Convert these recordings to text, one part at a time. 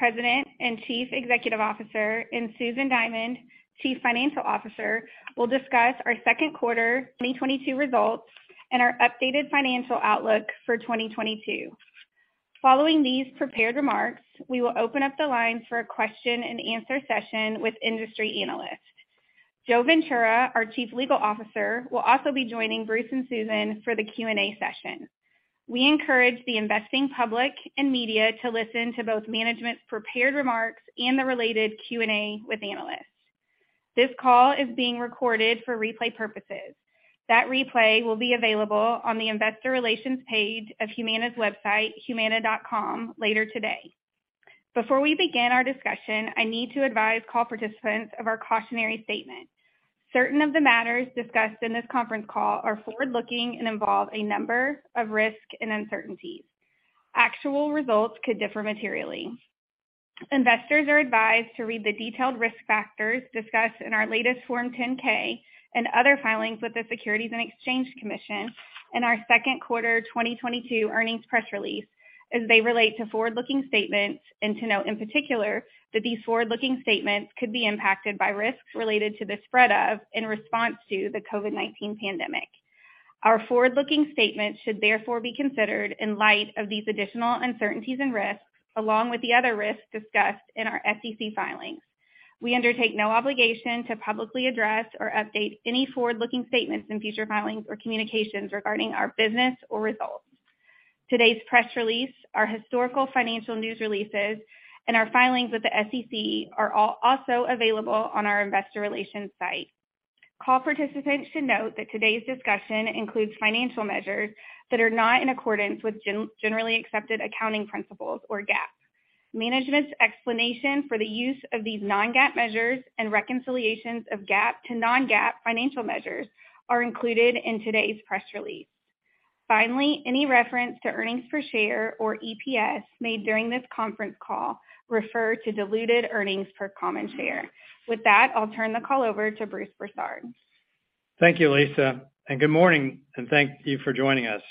President and Chief Executive Officer, and Susan Diamond, Chief Financial Officer, will discuss our second quarter 2022 results and our updated financial outlook for 2022. Following these prepared remarks, we will open up the line for a question and answer session with industry analysts. Joe Ventura, our Chief Legal Officer, will also be joining Bruce and Susan for the Q&A session. We encourage the investing public and media to listen to both management's prepared remarks and the related Q&A with analysts. This call is being recorded for replay purposes. That replay will be available on the investor relations page of Humana's website, humana.com, later today. Before we begin our discussion, I need to advise call participants of our cautionary statement. Certain of the matters discussed in this conference call are forward-looking and involve a number of risks and uncertainties. Actual results could differ materially. Investors are advised to read the detailed risk factors discussed in our latest Form 10-K and other filings with the Securities and Exchange Commission in our second quarter 2022 earnings press release as they relate to forward-looking statements, and to note in particular that these forward-looking statements could be impacted by risks related to the spread of and in response to the COVID-19 pandemic. Our forward-looking statements should therefore be considered in light of these additional uncertainties and risks, along with the other risks discussed in our SEC filings. We undertake no obligation to publicly address or update any forward-looking statements in future filings or communications regarding our business or results. Today's press release, our historical financial news releases, and our filings with the SEC are all also available on our investor relations site. Call participants should note that today's discussion includes financial measures that are not in accordance with Generally Accepted Accounting Principles, or GAAP. Management's explanation for the use of these non-GAAP measures and reconciliations of GAAP to non-GAAP financial measures are included in today's press release. Finally, any reference to earnings per share or EPS made during this conference call refer to diluted earnings per common share. With that, I'll turn the call over to Bruce Broussard. Thank you, Lisa, and good morning, and thank you for joining us.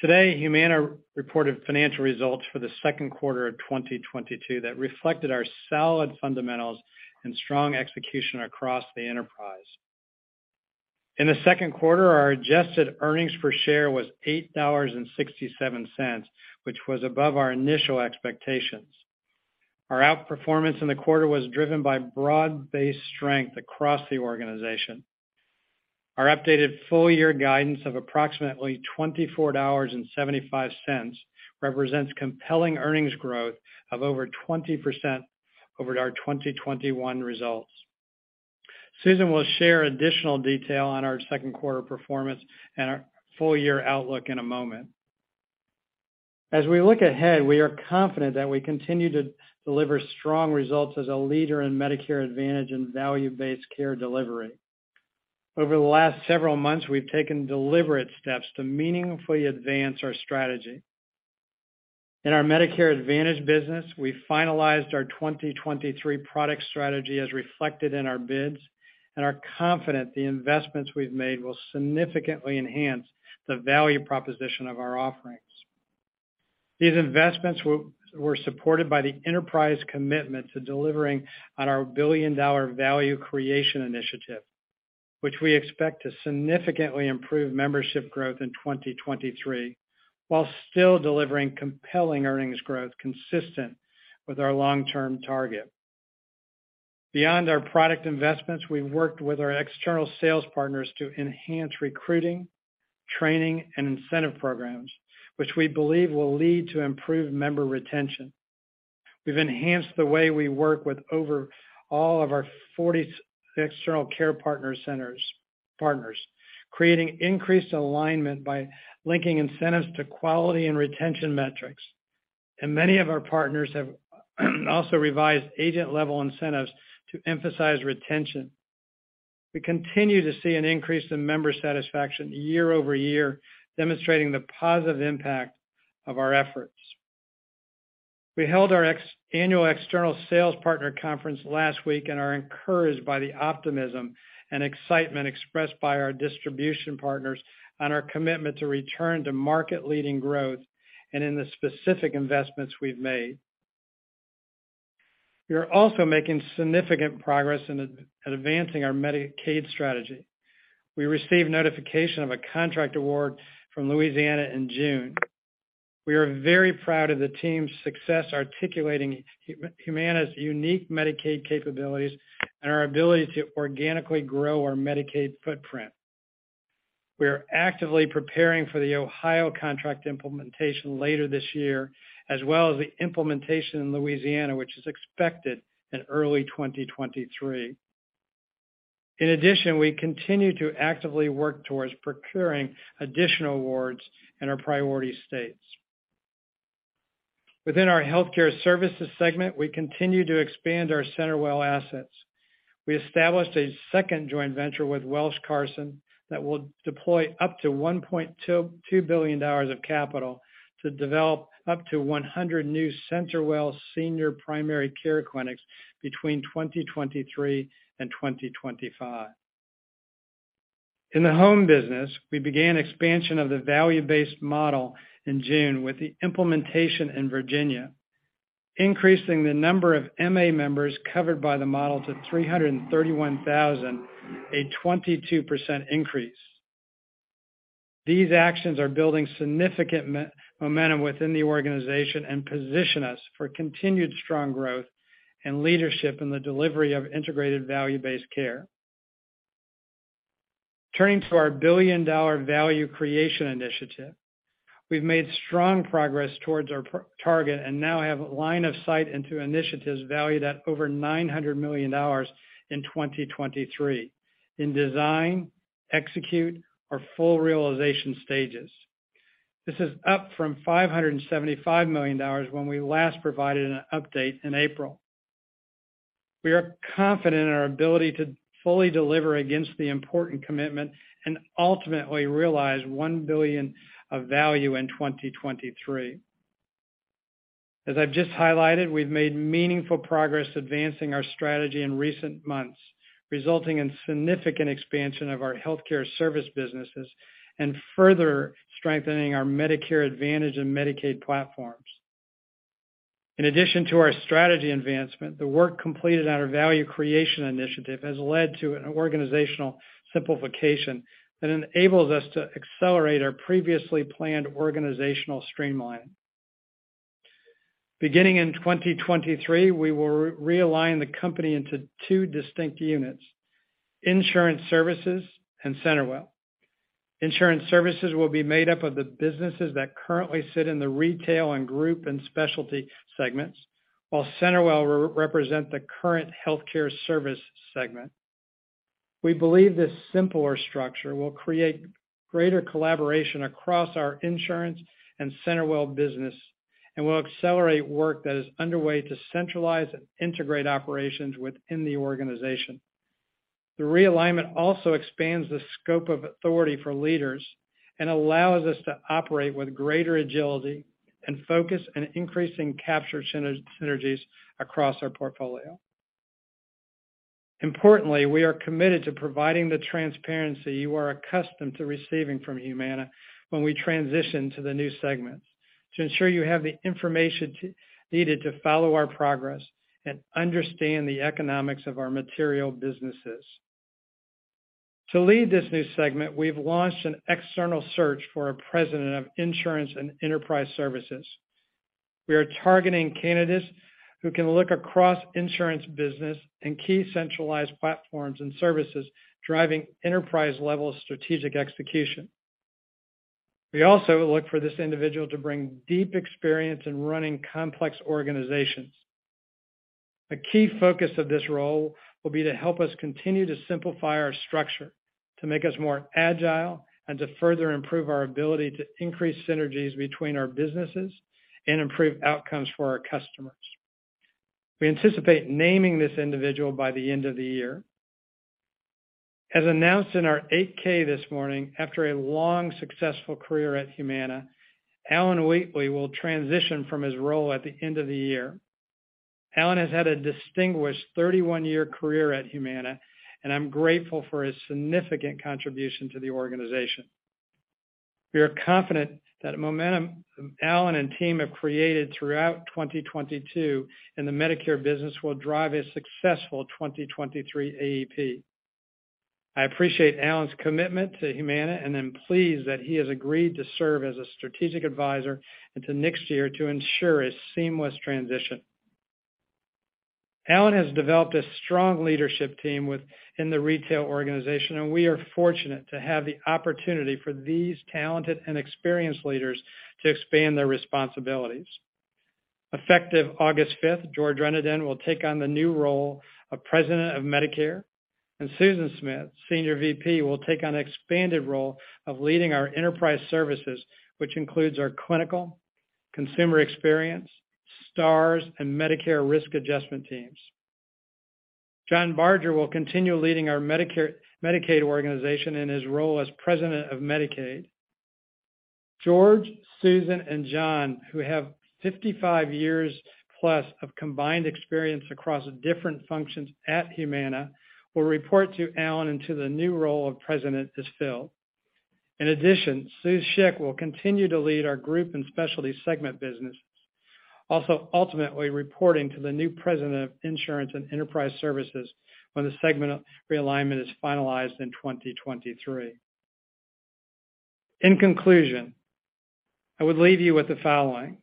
Today, Humana reported financial results for the second quarter of 2022 that reflected our solid fundamentals and strong execution across the enterprise. In the second quarter, our adjusted earnings per share was $8.67, which was above our initial expectations. Our outperformance in the quarter was driven by broad-based strength across the organization. Our updated full year guidance of approximately $24.75 represents compelling earnings growth of over 20% over our 2021 results. Susan will share additional detail on our second quarter performance and our full year outlook in a moment. As we look ahead, we are confident that we continue to deliver strong results as a leader in Medicare Advantage and value-based care delivery. Over the last several months, we've taken deliberate steps to meaningfully advance our strategy. In our Medicare Advantage business, we finalized our 2023 product strategy as reflected in our bids and are confident the investments we've made will significantly enhance the value proposition of our offerings. These investments were supported by the enterprise commitment to delivering on our billion-dollar value creation initiative, which we expect to significantly improve membership growth in 2023, while still delivering compelling earnings growth consistent with our long-term target. Beyond our product investments, we've worked with our external sales partners to enhance recruiting, training, and incentive programs, which we believe will lead to improved member retention. We've enhanced the way we work with overall our 40 external care partner centers partners, creating increased alignment by linking incentives to quality and retention metrics. Many of our partners have also revised agent-level incentives to emphasize retention. We continue to see an increase in member satisfaction year over year, demonstrating the positive impact of our efforts. We held our annual external sales partner conference last week and are encouraged by the optimism and excitement expressed by our distribution partners on our commitment to return to market-leading growth and in the specific investments we've made. We are also making significant progress in advancing our Medicaid strategy. We received notification of a contract award from Louisiana in June. We are very proud of the team's success articulating Humana's unique Medicaid capabilities and our ability to organically grow our Medicaid footprint. We are actively preparing for the Ohio contract implementation later this year, as well as the implementation in Louisiana, which is expected in early 2023. In addition, we continue to actively work towards procuring additional awards in our priority states. Within our healthcare services segment, we continue to expand our CenterWell assets. We established a second joint venture with Welsh, Carson, Anderson & Stowe that will deploy up to $1.2 billion of capital to develop up to 100 new CenterWell Senior Primary Care clinics between 2023 and 2025. In the home business, we began expansion of the value-based model in June with the implementation in Virginia, increasing the number of MA members covered by the model to 331,000, a 22% increase. These actions are building significant momentum within the organization and position us for continued strong growth and leadership in the delivery of integrated value-based care. Turning to our billion-dollar value creation initiative. We've made strong progress towards our prior target and now have line of sight into initiatives valued at over $900 million in 2023 in design, execution, and full realization stages. This is up from $575 million when we last provided an update in April. We are confident in our ability to fully deliver against the important commitment and ultimately realize $1 billion of value in 2023. As I've just highlighted, we've made meaningful progress advancing our strategy in recent months, resulting in significant expansion of our healthcare service businesses and further strengthening our Medicare Advantage and Medicaid platforms. In addition to our strategy advancement, the work completed on our value creation initiative has led to an organizational simplification that enables us to accelerate our previously planned organizational streamlining. Beginning in 2023, we will realign the company into two distinct units, insurance services and CenterWell. Insurance services will be made up of the businesses that currently sit in the retail and group and specialty segments, while CenterWell represents the current healthcare service segment. We believe this simpler structure will create greater collaboration across our insurance and CenterWell business and will accelerate work that is underway to centralize and integrate operations within the organization. The realignment also expands the scope of authority for leaders and allows us to operate with greater agility and focus on increasing capture synergies across our portfolio. Importantly, we are committed to providing the transparency you are accustomed to receiving from Humana when we transition to the new segments to ensure you have the information needed to follow our progress and understand the economics of our material businesses. To lead this new segment, we've launched an external search for a president of insurance and enterprise services. We are targeting candidates who can look across insurance business and key centralized platforms and services driving enterprise-level strategic execution. We also look for this individual to bring deep experience in running complex organizations. A key focus of this role will be to help us continue to simplify our structure to make us more agile and to further improve our ability to increase synergies between our businesses and improve outcomes for our customers. We anticipate naming this individual by the end of the year. As announced in our 8-K this morning, after a long, successful career at Humana, Alan Wheatley will transition from his role at the end of the year. Alan has had a distinguished 31-year career at Humana, and I'm grateful for his significant contribution to the organization. We are confident that the momentum Alan and team have created throughout 2022 in the Medicare business will drive a successful 2023 AEP. I appreciate Alan's commitment to Humana and am pleased that he has agreed to serve as a strategic advisor into next year to ensure a seamless transition. Alan has developed a strong leadership team within the retail organization, and we are fortunate to have the opportunity for these talented and experienced leaders to expand their responsibilities. Effective August 5, George Renaudin will take on the new role of President of Medicare, and Susan Smith, Senior VP, will take on expanded role of leading our enterprise services, which includes our clinical, consumer experience, Stars, and Medicare risk adjustment teams. John Barger will continue leading our Medicare-Medicaid organization in his role as President of Medicaid. George, Susan, and John, who have 55 years plus of combined experience across different functions at Humana, will report to Alan until the new role of president is filled. In addition, Sue Schick will continue to lead our group and specialty segment business, also ultimately reporting to the new President of Insurance and Enterprise Services when the segment realignment is finalized in 2023. In conclusion, I would leave you with the following.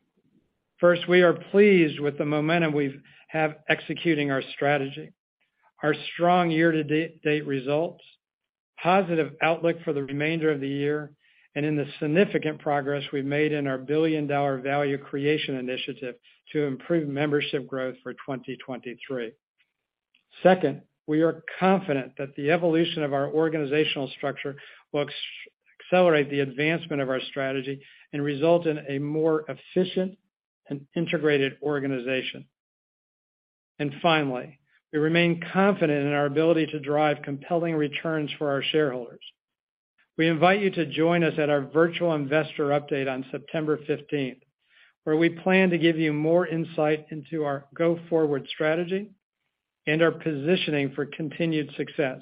First, we are pleased with the momentum we have executing our strategy. Our strong year-to-date results, positive outlook for the remainder of the year, and in the significant progress we've made in our billion-dollar value creation initiative to improve membership growth for 2023. Second, we are confident that the evolution of our organizational structure will accelerate the advancement of our strategy and result in a more efficient and integrated organization. Finally, we remain confident in our ability to drive compelling returns for our shareholders. We invite you to join us at our virtual investor update on September fifteenth, where we plan to give you more insight into our go-forward strategy and are positioning for continued success.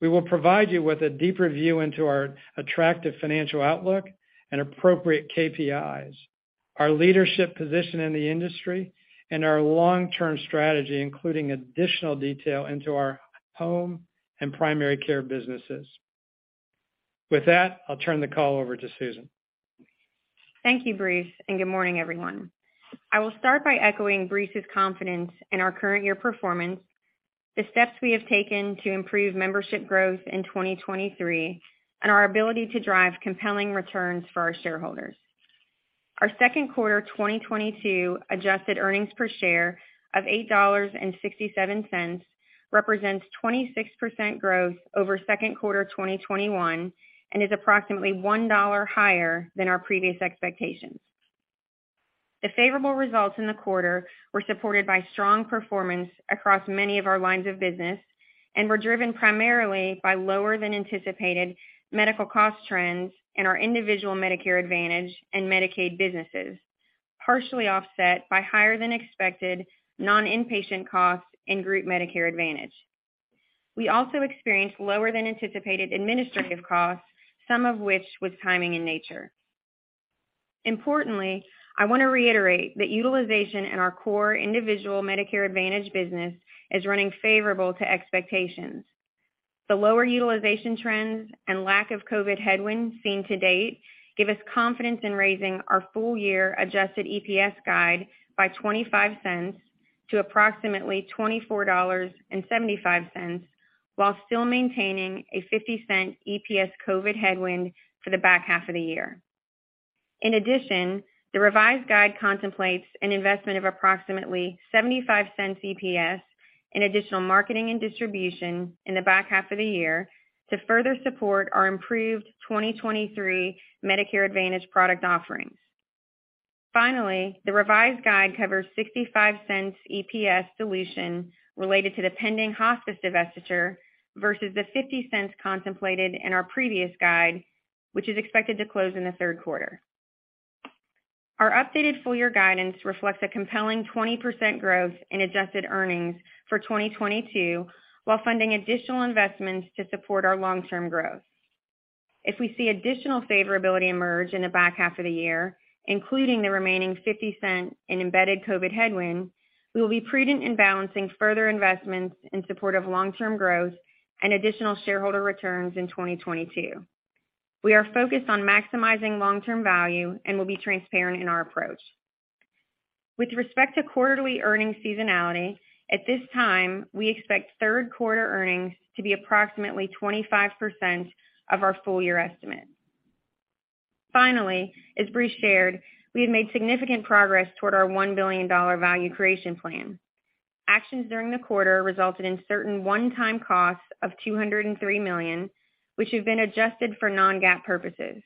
We will provide you with a deeper view into our attractive financial outlook and appropriate KPIs, our leadership position in the industry, and our long-term strategy, including additional detail into our home and primary care businesses. With that, I'll turn the call over to Susan. Thank you, Bruce, and good morning, everyone. I will start by echoing Bruce's confidence in our current year performance, the steps we have taken to improve membership growth in 2023, and our ability to drive compelling returns for our shareholders. Our second quarter 2022 adjusted earnings per share of $8.67 represents 26% growth over second quarter 2021 and is approximately $1 higher than our previous expectations. The favorable results in the quarter were supported by strong performance across many of our lines of business and were driven primarily by lower than anticipated medical cost trends in our individual Medicare Advantage and Medicaid businesses, partially offset by higher than expected non-inpatient costs in Group Medicare Advantage. We also experienced lower than anticipated administrative costs, some of which was timing in nature. Importantly, I want to reiterate that utilization in our core individual Medicare Advantage business is running favorable to expectations. The lower utilization trends and lack of COVID headwinds seen to date give us confidence in raising our full year adjusted EPS guide by $0.25 to approximately $24.75, while still maintaining a $0.50 EPS COVID headwind for the back half of the year. In addition, the revised guide contemplates an investment of approximately $0.75 EPS in additional marketing and distribution in the back half of the year to further support our improved 2023 Medicare Advantage product offerings. Finally, the revised guide covers $0.65 EPS dilution related to the pending hospice divestiture versus the $0.50 contemplated in our previous guide, which is expected to close in the third quarter. Our updated full year guidance reflects a compelling 20% growth in adjusted earnings for 2022, while funding additional investments to support our long-term growth. If we see additional favorability emerge in the back half of the year, including the remaining $0.50 in embedded COVID headwind, we will be prudent in balancing further investments in support of long-term growth and additional shareholder returns in 2022. We are focused on maximizing long-term value and will be transparent in our approach. With respect to quarterly earnings seasonality, at this time, we expect third quarter earnings to be approximately 25% of our full year estimate. Finally, as Bruce shared, we have made significant progress toward our $1 billion value creation plan. Actions during the quarter resulted in certain one-time costs of $203 million, which have been adjusted for non-GAAP purposes.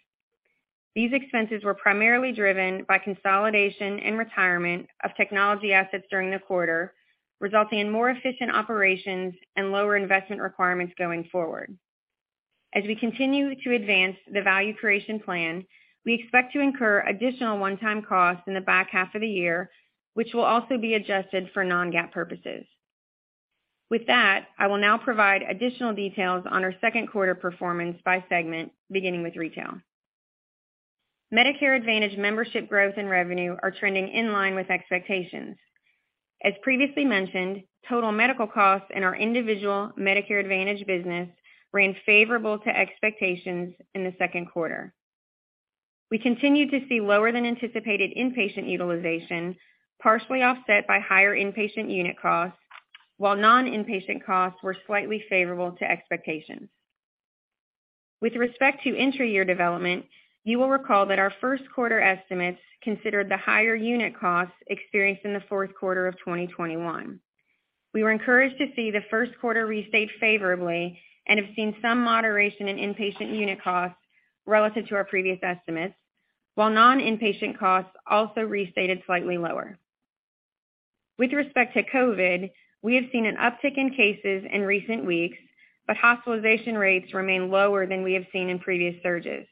These expenses were primarily driven by consolidation and retirement of technology assets during the quarter, resulting in more efficient operations and lower investment requirements going forward. As we continue to advance the value creation plan, we expect to incur additional one-time costs in the back half of the year, which will also be adjusted for non-GAAP purposes. With that, I will now provide additional details on our second quarter performance by segment, beginning with Retail. Medicare Advantage membership growth and revenue are trending in line with expectations. As previously mentioned, total medical costs in our individual Medicare Advantage business ran favorable to expectations in the second quarter. We continue to see lower than anticipated inpatient utilization, partially offset by higher inpatient unit costs, while non-inpatient costs were slightly favorable to expectations. With respect to intra-year development, you will recall that our first quarter estimates considered the higher unit costs experienced in the fourth quarter of 2021. We were encouraged to see the first quarter restate favorably and have seen some moderation in inpatient unit costs relative to our previous estimates, while non-inpatient costs also restated slightly lower. With respect to COVID, we have seen an uptick in cases in recent weeks, but hospitalization rates remain lower than we have seen in previous surges.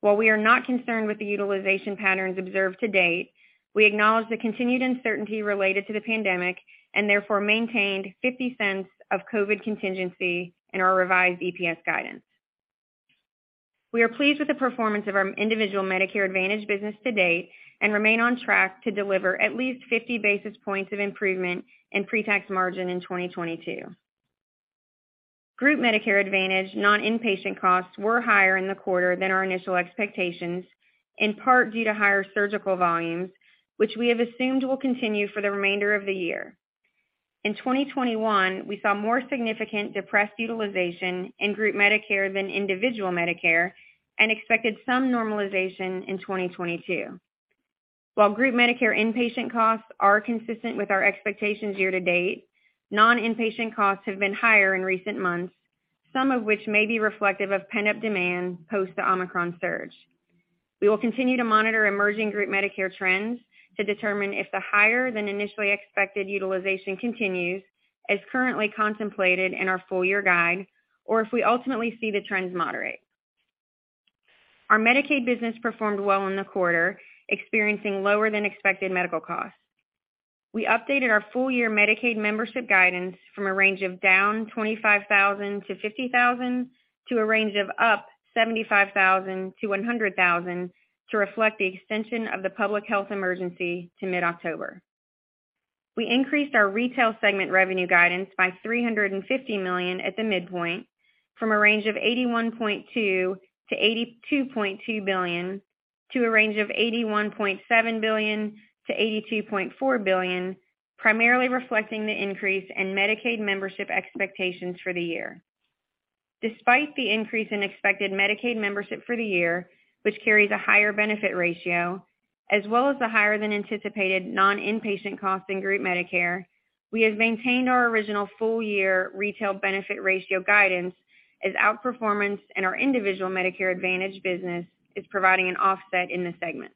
While we are not concerned with the utilization patterns observed to date, we acknowledge the continued uncertainty related to the pandemic and therefore maintained $0.50 of COVID contingency in our revised EPS guidance. We are pleased with the performance of our individual Medicare Advantage business to date and remain on track to deliver at least 50 basis points of improvement in pre-tax margin in 2022. Group Medicare Advantage non-inpatient costs were higher in the quarter than our initial expectations, in part due to higher surgical volumes, which we have assumed will continue for the remainder of the year. In 2021, we saw more significant depressed utilization in Group Medicare than individual Medicare and expected some normalization in 2022. While Group Medicare inpatient costs are consistent with our expectations year to date, non-inpatient costs have been higher in recent months, some of which may be reflective of pent-up demand post the Omicron surge. We will continue to monitor emerging Group Medicare trends to determine if the higher than initially expected utilization continues as currently contemplated in our full year guide, or if we ultimately see the trends moderate. Our Medicaid business performed well in the quarter, experiencing lower than expected medical costs. We updated our full-year Medicaid membership guidance from a range of down 25,000 to 50,000 to a range of up 75,000 to 100,000 to reflect the extension of the public health emergency to mid-October. We increased our Retail segment revenue guidance by $350 million at the midpoint from a range of $81.2 billion-$82.2 billion to a range of $81.7 billion-$82.4 billion, primarily reflecting the increase in Medicaid membership expectations for the year. Despite the increase in expected Medicaid membership for the year, which carries a higher benefit ratio, as well as the higher than anticipated non-inpatient costs in Group Medicare, we have maintained our original full-year Retail benefit ratio guidance as outperformance in our individual Medicare Advantage business is providing an offset in the segment.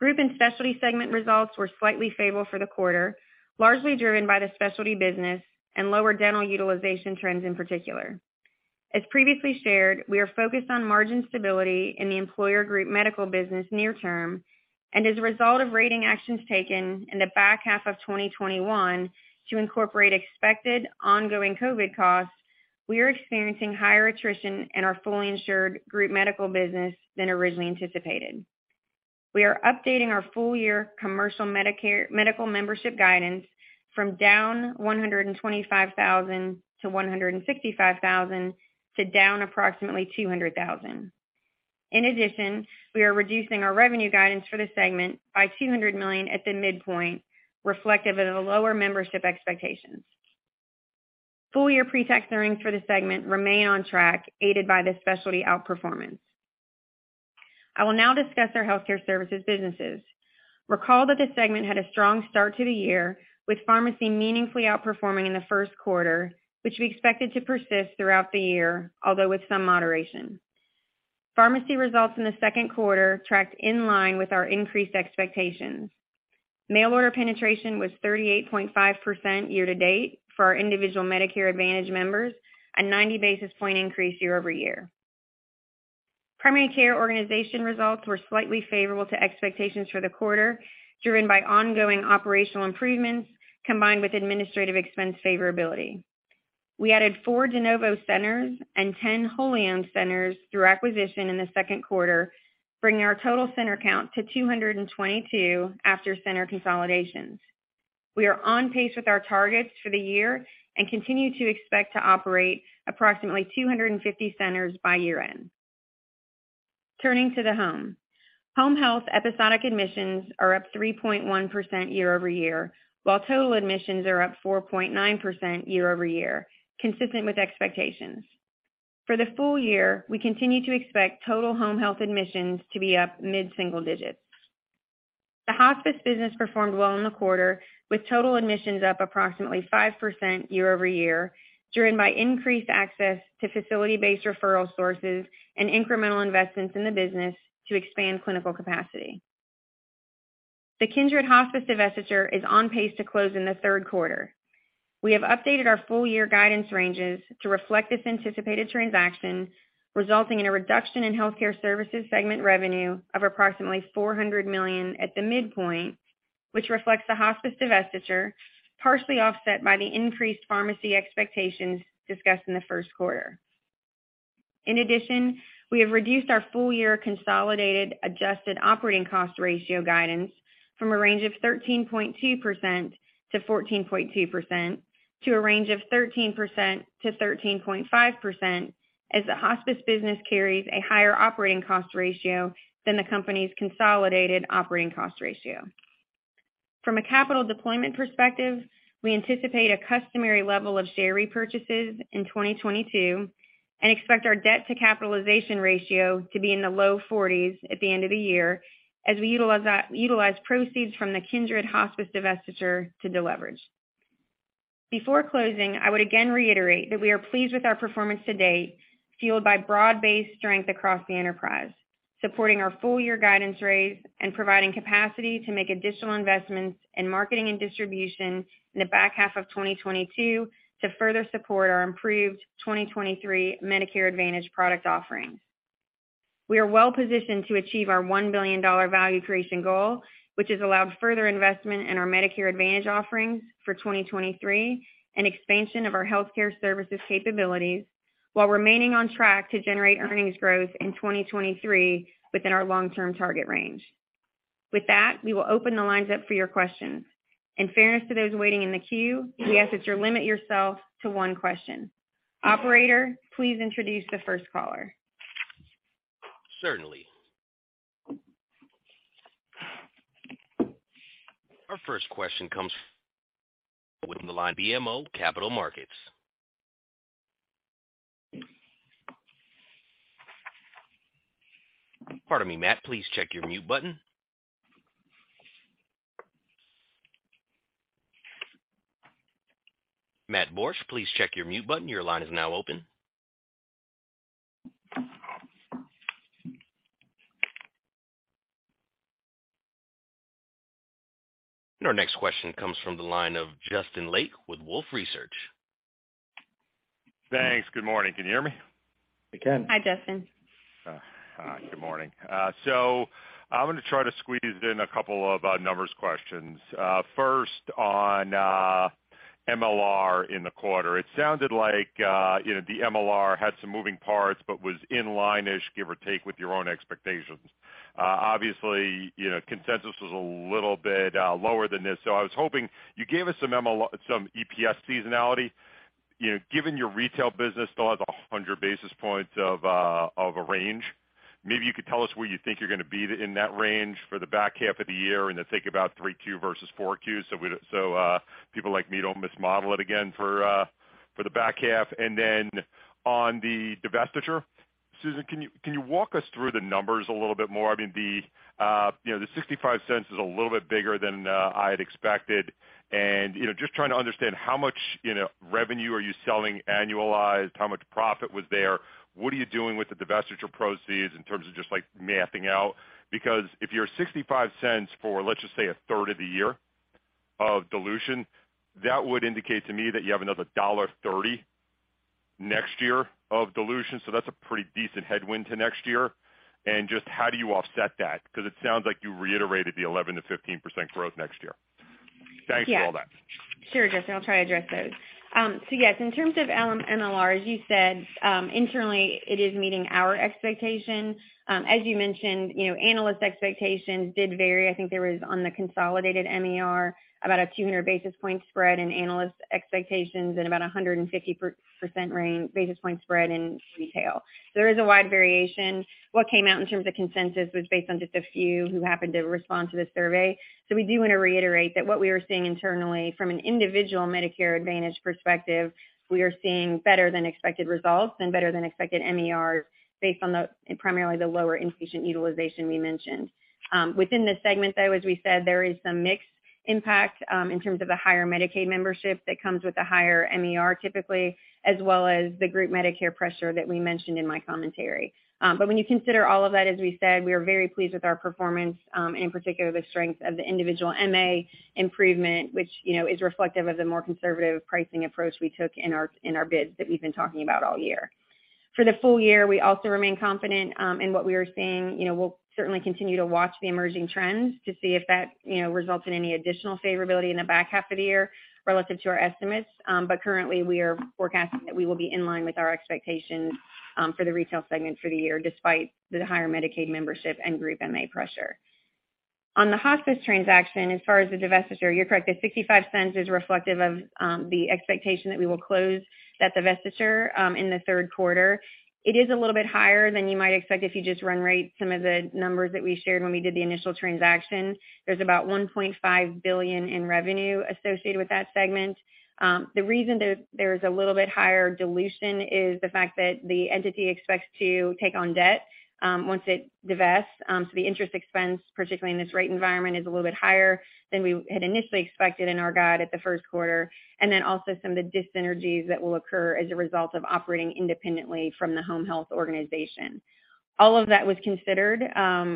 Group and Specialty segment results were slightly favorable for the quarter, largely driven by the Specialty business and lower dental utilization trends in particular. As previously shared, we are focused on margin stability in the employer group medical business near term and as a result of rating actions taken in the back half of 2021 to incorporate expected ongoing COVID costs, we are experiencing higher attrition in our fully insured group medical business than originally anticipated. We are updating our full-year commercial medical membership guidance from down 125,000 to 165,000 to down approximately 200,000. In addition, we are reducing our revenue guidance for the segment by $200 million at the midpoint, reflective of the lower membership expectations. Full year pre-tax earnings for the segment remain on track, aided by the Specialty outperformance. I will now discuss our Healthcare Services businesses. Recall that this segment had a strong start to the year, with Pharmacy meaningfully outperforming in the first quarter, which we expected to persist throughout the year, although with some moderation. Pharmacy results in the second quarter tracked in line with our increased expectations. Mail order penetration was 38.5 year-to-date for our individual Medicare Advantage members, a 90 basis point increase year-over-year. Primary care organization results were slightly favorable to expectations for the quarter, driven by ongoing operational improvements combined with administrative expense favorability. We added 4 de novo centers and 10 wholly owned centers through acquisition in the second quarter, bringing our total center count to 222 after center consolidations. We are on pace with our targets for the year and continue to expect to operate approximately 250 centers by year-end. Turning to the home. Home health episodic admissions are up 3.1% year-over-year, while total admissions are up 4.9% year-over-year, consistent with expectations. For the full year, we continue to expect total home health admissions to be up mid-single digits. The hospice business performed well in the quarter, with total admissions up approximately 5% year-over-year, driven by increased access to facility-based referral sources and incremental investments in the business to expand clinical capacity. The Kindred Hospice divestiture is on pace to close in the third quarter. We have updated our full-year guidance ranges to reflect this anticipated transaction, resulting in a reduction in Healthcare Services segment revenue of approximately $400 million at the midpoint, which reflects the hospice divestiture, partially offset by the increased Pharmacy expectations discussed in the first quarter. In addition, we have reduced our full-year consolidated adjusted operating cost ratio guidance from a range of 13.2% to 14.2% to a range of 13% to 13.5%, as the hospice business carries a higher operating cost ratio than the company's consolidated operating cost ratio. From a capital deployment perspective, we anticipate a customary level of share repurchases in 2022 and expect our debt to capitalization ratio to be in the low forties at the end of the year as we utilize proceeds from the Kindred Hospice divestiture to deleverage. Before closing, I would again reiterate that we are pleased with our performance to date, fueled by broad-based strength across the enterprise, supporting our full-year guidance raise and providing capacity to make additional investments in marketing and distribution in the back half of 2022 to further support our improved 2023 Medicare Advantage product offerings. We are well positioned to achieve our $1 billion value creation goal, which has allowed further investment in our Medicare Advantage offerings for 2023 and expansion of our healthcare services capabilities while remaining on track to generate earnings growth in 2023 within our long-term target range. With that, we will open the lines up for your questions. In fairness to those waiting in the queue, we ask that you limit yourself to one question. Operator, please introduce the first caller. Certainly. Our first question comes from the line of BMO Capital Markets. Pardon me, Matt, please check your mute button. Matt Borsch, please check your mute button. Your line is now open. Our next question comes from the line of Justin Lake with Wolfe Research. Thanks. Good morning. Can you hear me? We can. Hi, Justin. Hi, good morning. So I'm gonna try to squeeze in a couple of numbers questions. First on MLR in the quarter, it sounded like you know the MLR had some moving parts but was in line-ish, give or take, with your own expectations. Obviously, you know, consensus was a little bit lower than this. So I was hoping you gave us some EPS seasonality, you know, given your retail business still has 100 basis points of a range, maybe you could tell us where you think you're gonna be in that range for the back half of the year, and then think about 3Q versus 4Q so people like me don't mismodel it again for the back half. Then on the divestiture, Susan, can you walk us through the numbers a little bit more? I mean, you know, the $0.65 is a little bit bigger than I had expected. You know, just trying to understand how much, you know, revenue are you selling annualized, how much profit was there? What are you doing with the divestiture proceeds in terms of just, like, mapping out? Because if you're $0.65 for, let's just say, a third of the year of dilution, that would indicate to me that you have another $1.30 next year of dilution. That's a pretty decent headwind to next year, and just how do you offset that? 'Cause it sounds like you reiterated the 11%-15% growth next year. Yeah. Thanks for all that. Sure, Justin, I'll try to address those. Yes, in terms of MLR, as you said, internally it is meeting our expectation. As you mentioned, you know, analyst expectations did vary. I think there was, on the consolidated MER, about a 200 basis point spread in analyst expectations and about a 150 percentage point range, basis point spread in retail. There is a wide variation. What came out in terms of consensus was based on just a few who happened to respond to the survey. We do wanna reiterate that what we are seeing internally from an individual Medicare Advantage perspective, we are seeing better than expected results and better than expected MER based on primarily the lower inpatient utilization we mentioned. Within this segment, though, as we said, there is some mixed impact, in terms of the higher Medicaid membership that comes with the higher MER typically, as well as the group Medicare pressure that we mentioned in my commentary. When you consider all of that, as we said, we are very pleased with our performance, and in particular, the strength of the individual MA improvement, which, you know, is reflective of the more conservative pricing approach we took in our bids that we've been talking about all year. For the full year, we also remain confident, in what we are seeing. You know, we'll certainly continue to watch the emerging trends to see if that, you know, results in any additional favorability in the back half of the year relative to our estimates. Currently we are forecasting that we will be in line with our expectations for the retail segment for the year, despite the higher Medicaid membership and group MA pressure. On the hospice transaction, as far as the divestiture, you're correct that $0.65 is reflective of the expectation that we will close that divestiture in the third quarter. It is a little bit higher than you might expect if you just run rate some of the numbers that we shared when we did the initial transaction. There's about $1.5 billion in revenue associated with that segment. The reason there's a little bit higher dilution is the fact that the entity expects to take on debt once it divests. The interest expense, particularly in this rate environment, is a little bit higher than we had initially expected in our guide at the first quarter. Some of the dis-synergies that will occur as a result of operating independently from the home health organization. All of that was considered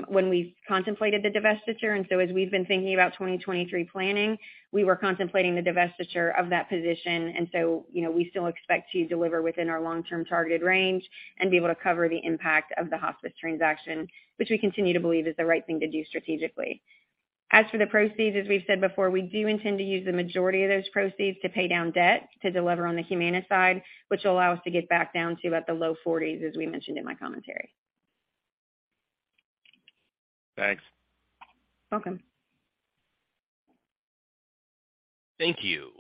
when we contemplated the divestiture, and as we've been thinking about 2023 planning, we were contemplating the divestiture of that position. You know, we still expect to deliver within our long-term targeted range and be able to cover the impact of the hospice transaction, which we continue to believe is the right thing to do strategically. As for the proceeds, as we've said before, we do intend to use the majority of those proceeds to pay down debt, to delever on the Humana side, which will allow us to get back down to about the low 40s, as we mentioned in my commentary. Thanks. Welcome. Thank you.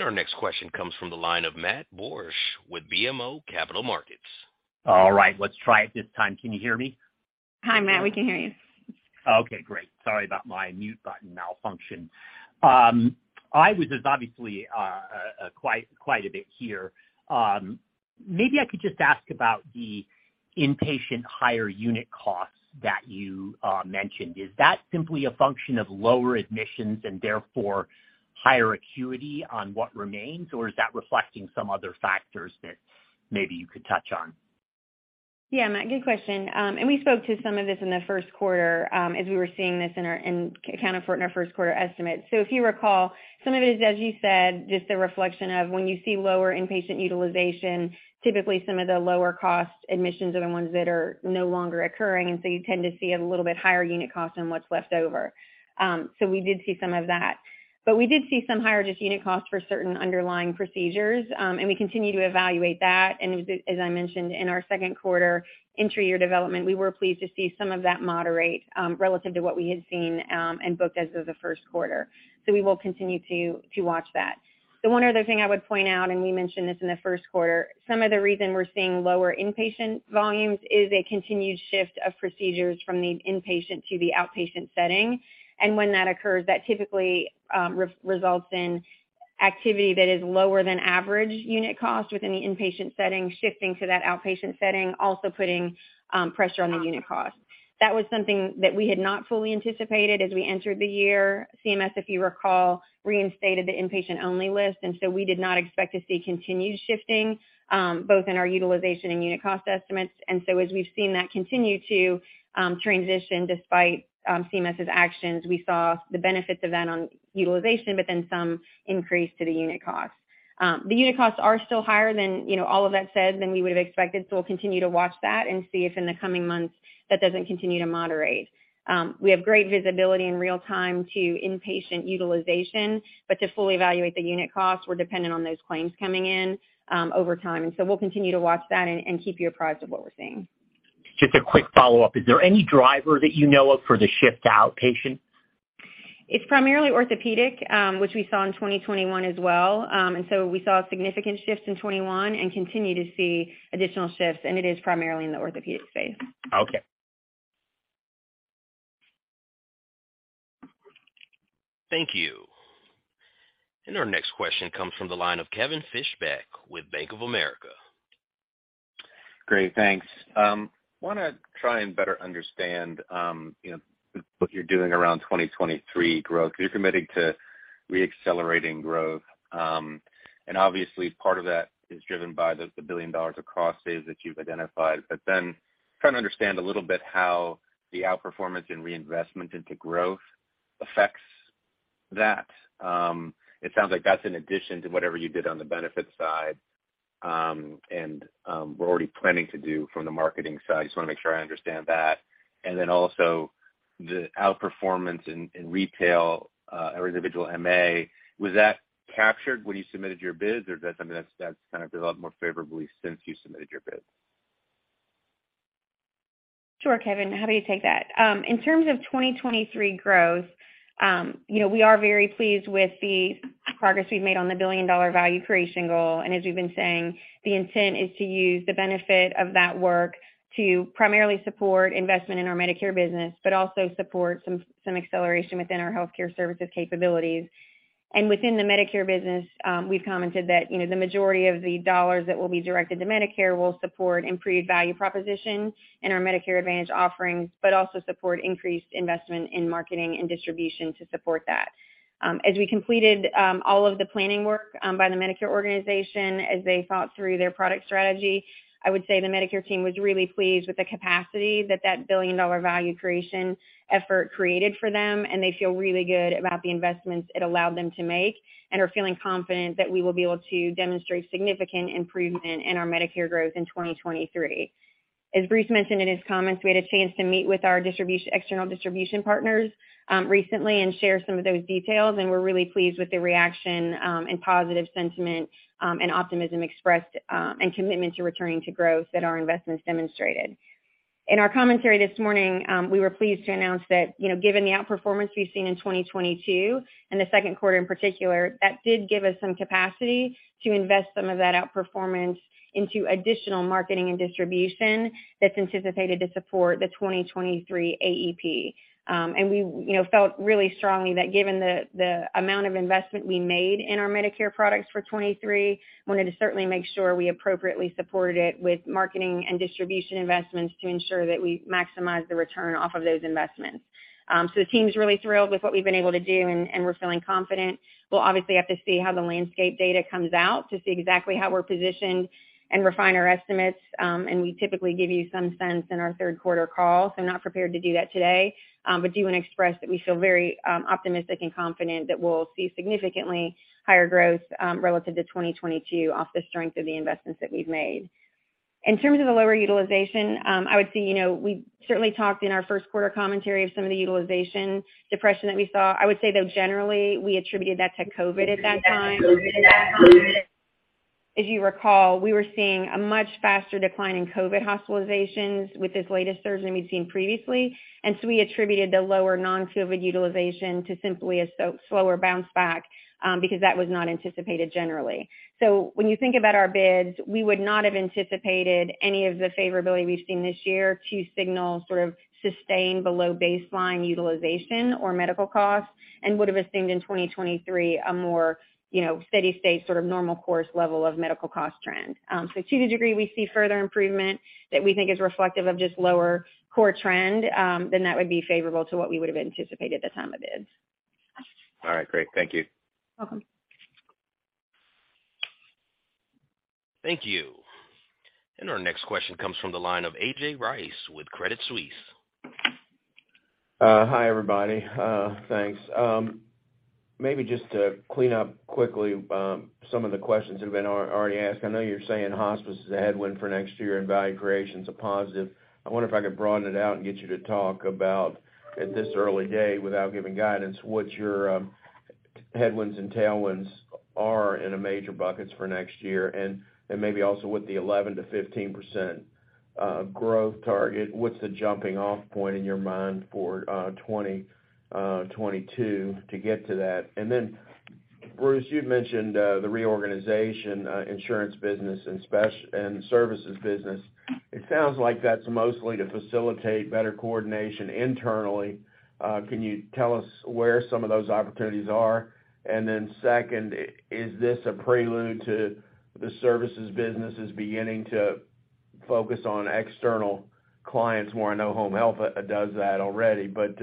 Our next question comes from the line of Matt Borsch with BMO Capital Markets. All right, let's try it this time. Can you hear me? Hi, Matt. We can hear you. Okay, great. Sorry about my mute button malfunction. I was just obviously quite a bit here. Maybe I could just ask about the inpatient higher unit costs that you mentioned. Is that simply a function of lower admissions and therefore higher acuity on what remains, or is that reflecting some other factors that maybe you could touch on? Yeah, Matt, good question. We spoke to some of this in the first quarter, as we were seeing this in our accounted for it in our first quarter estimate. If you recall, some of it is, as you said, just a reflection of when you see lower inpatient utilization, typically some of the lower cost admissions are the ones that are no longer occurring, and so you tend to see a little bit higher unit cost on what's left over. We did see some of that. We did see some higher just unit costs for certain underlying procedures, and we continue to evaluate that. As I mentioned in our second quarter intra-year development, we were pleased to see some of that moderate, relative to what we had seen, and booked as of the first quarter. We will continue to watch that. The one other thing I would point out, and we mentioned this in the first quarter, some of the reason we're seeing lower inpatient volumes is a continued shift of procedures from the inpatient to the outpatient setting. When that occurs, that typically results in activity that is lower than average unit cost within the inpatient setting, shifting to that outpatient setting, also putting pressure on the unit cost. That was something that we had not fully anticipated as we entered the year. CMS, if you recall, reinstated the inpatient-only list, and so we did not expect to see continued shifting both in our utilization and unit cost estimates. We've seen that continue to transition despite CMS' actions, we saw the benefits of that on utilization, but then some increase to the unit costs. The unit costs are still higher than, you know, all of that said, than we would have expected, so we'll continue to watch that and see if in the coming months that doesn't continue to moderate. We have great visibility in real time to inpatient utilization, but to fully evaluate the unit costs, we're dependent on those claims coming in, over time. We'll continue to watch that and keep you apprised of what we're seeing. Just a quick follow-up. Is there any driver that you know of for the shift to outpatient? It's primarily orthopedic, which we saw in 2021 as well. We saw a significant shift in 2021 and continue to see additional shifts, and it is primarily in the orthopedic space. Okay. Thank you. Our next question comes from the line of Kevin Fischbeck with Bank of America. Great. Thanks. Wanna try and better understand, you know, what you're doing around 2023 growth. You're committing to reaccelerating growth, and obviously, part of that is driven by the $1 billion of cost saves that you've identified. But then trying to understand a little bit how the outperformance and reinvestment into growth affects that. It sounds like that's an addition to whatever you did on the benefit side, and we're already planning to do from the marketing side. Just wanna make sure I understand that. Then also, the outperformance in retail, or individual MA, was that captured when you submitted your bids, or is that something that's kind of developed more favorably since you submitted your bids? Sure, Kevin, happy to take that. In terms of 2023 growth, you know, we are very pleased with the progress we've made on the billion-dollar value creation goal. As we've been saying, the intent is to use the benefit of that work to primarily support investment in our Medicare business, but also support some acceleration within our healthcare services capabilities. Within the Medicare business, we've commented that, you know, the majority of the dollars that will be directed to Medicare will support improved value proposition in our Medicare Advantage offerings, but also support increased investment in marketing and distribution to support that. As we completed all of the planning work by the Medicare organization as they thought through their product strategy, I would say the Medicare team was really pleased with the capacity that that billion-dollar value creation effort created for them, and they feel really good about the investments it allowed them to make, and are feeling confident that we will be able to demonstrate significant improvement in our Medicare growth in 2023. As Bruce mentioned in his comments, we had a chance to meet with our external distribution partners recently and share some of those details, and we're really pleased with the reaction, and positive sentiment, and optimism expressed, and commitment to returning to growth that our investments demonstrated. In our commentary this morning, we were pleased to announce that, you know, given the outperformance we've seen in 2022, and the second quarter in particular, that did give us some capacity to invest some of that outperformance into additional marketing and distribution that's anticipated to support the 2023 AEP. We, you know, felt really strongly that given the amount of investment we made in our Medicare products for 2023, wanted to certainly make sure we appropriately support it with marketing and distribution investments to ensure that we maximize the return off of those investments. The team's really thrilled with what we've been able to do, and we're feeling confident. We'll obviously have to see how the landscape data comes out to see exactly how we're positioned and refine our estimates, and we typically give you some sense in our third quarter call. Not prepared to do that today, but do want to express that we feel very optimistic and confident that we'll see significantly higher growth relative to 2022 off the strength of the investments that we've made. In terms of the lower utilization, I would say, you know, we certainly talked in our first quarter commentary of some of the utilization depression that we saw. I would say, though, generally, we attributed that to COVID at that time. As you recall, we were seeing a much faster decline in COVID hospitalizations with this latest surge than we'd seen previously. We attributed the lower non-COVID utilization to simply a slower bounce back, because that was not anticipated generally. When you think about our bids, we would not have anticipated any of the favorability we've seen this year to signal sort of sustained below baseline utilization or medical costs and would've assumed in 2023 a more, you know, steady state, sort of normal course level of medical cost trend. To the degree we see further improvement that we think is reflective of just lower core trend, then that would be favorable to what we would have anticipated at the time of bids. All right. Great. Thank you. Welcome. Thank you. Our next question comes from the line of A.J. Rice with Credit Suisse. Hi, everybody. Thanks. Maybe just to clean up quickly some of the questions that have been already asked. I know you're saying hospice is a headwind for next year and value creation's a positive. I wonder if I could broaden it out and get you to talk about, at this early day, without giving guidance, what your headwinds and tailwinds are in the major buckets for next year, and maybe also with the 11%-15% growth target, what's the jumping off point in your mind for 2022 to get to that? Then Bruce, you'd mentioned the reorganization, insurance business and services business. It sounds like that's mostly to facilitate better coordination internally. Can you tell us where some of those opportunities are? Second, is this a prelude to the services business beginning to focus on external clients more? I know home health does that already, but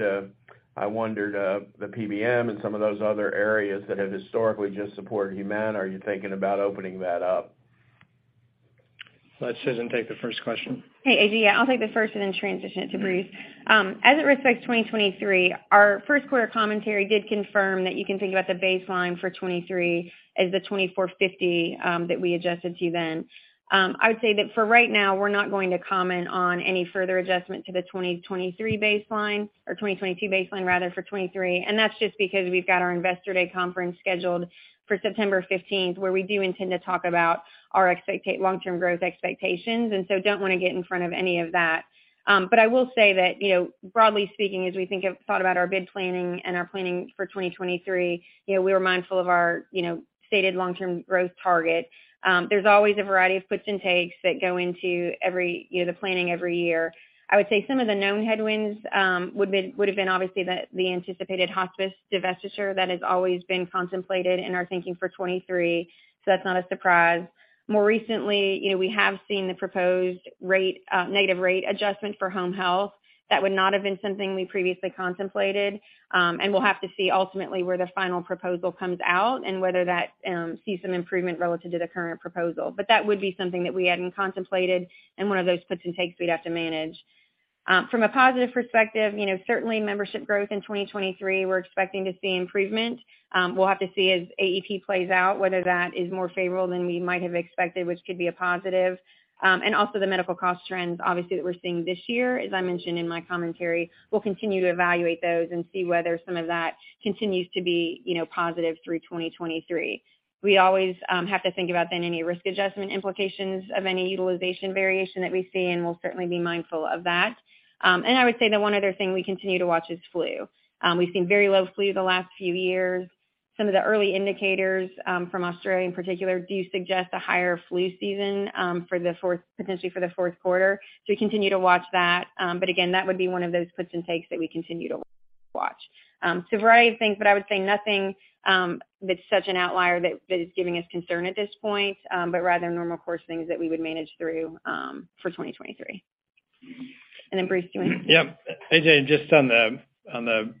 I wondered, the PBM and some of those other areas that have historically just supported Humana, are you thinking about opening that up? Let Susan take the first question. Hey, A.J. Yeah, I'll take the first and then transition it to Bruce. As it respects 2023, our first quarter commentary did confirm that you can think about the baseline for 2023 as the $24.50 that we adjusted to then. I would say that for right now, we're not going to comment on any further adjustment to the 2023 baseline, or 2022 baseline rather for 2023. That's just because we've got our Investor Day conference scheduled for September 15th, where we do intend to talk about our long-term growth expectations, so don't wanna get in front of any of that. But I will say that, you know, broadly speaking, as we thought about our bid planning and our planning for 2023, you know, we were mindful of our, you know, stated long-term growth target. There's always a variety of puts and takes that go into every, you know, the planning every year. I would say some of the known headwinds would have been obviously the anticipated hospice divestiture that has always been contemplated in our thinking for 2023, so that's not a surprise. More recently, you know, we have seen the proposed negative rate adjustment for home health. That would not have been something we previously contemplated, and we'll have to see ultimately where the final proposal comes out and whether that sees some improvement relative to the current proposal. That would be something that we hadn't contemplated and one of those puts and takes we'd have to manage. From a positive perspective, you know, certainly membership growth in 2023, we're expecting to see improvement. We'll have to see as AET plays out whether that is more favorable than we might have expected, which could be a positive. Also the medical cost trends, obviously, that we're seeing this year, as I mentioned in my commentary. We'll continue to evaluate those and see whether some of that continues to be, you know, positive through 2023. We always have to think about then any risk adjustment implications of any utilization variation that we see, and we'll certainly be mindful of that. I would say the one other thing we continue to watch is flu. We've seen very low flu the last few years. Some of the early indicators from Australia in particular do suggest a higher flu season for the fourth, potentially for the fourth quarter. We continue to watch that. Again, that would be one of those puts and takes that we continue to watch. A variety of things, but I would say nothing that's such an outlier that that is giving us concern at this point, but rather normal course things that we would manage through for 2023. Then Bruce, do you want to? Yeah. A.J., just on the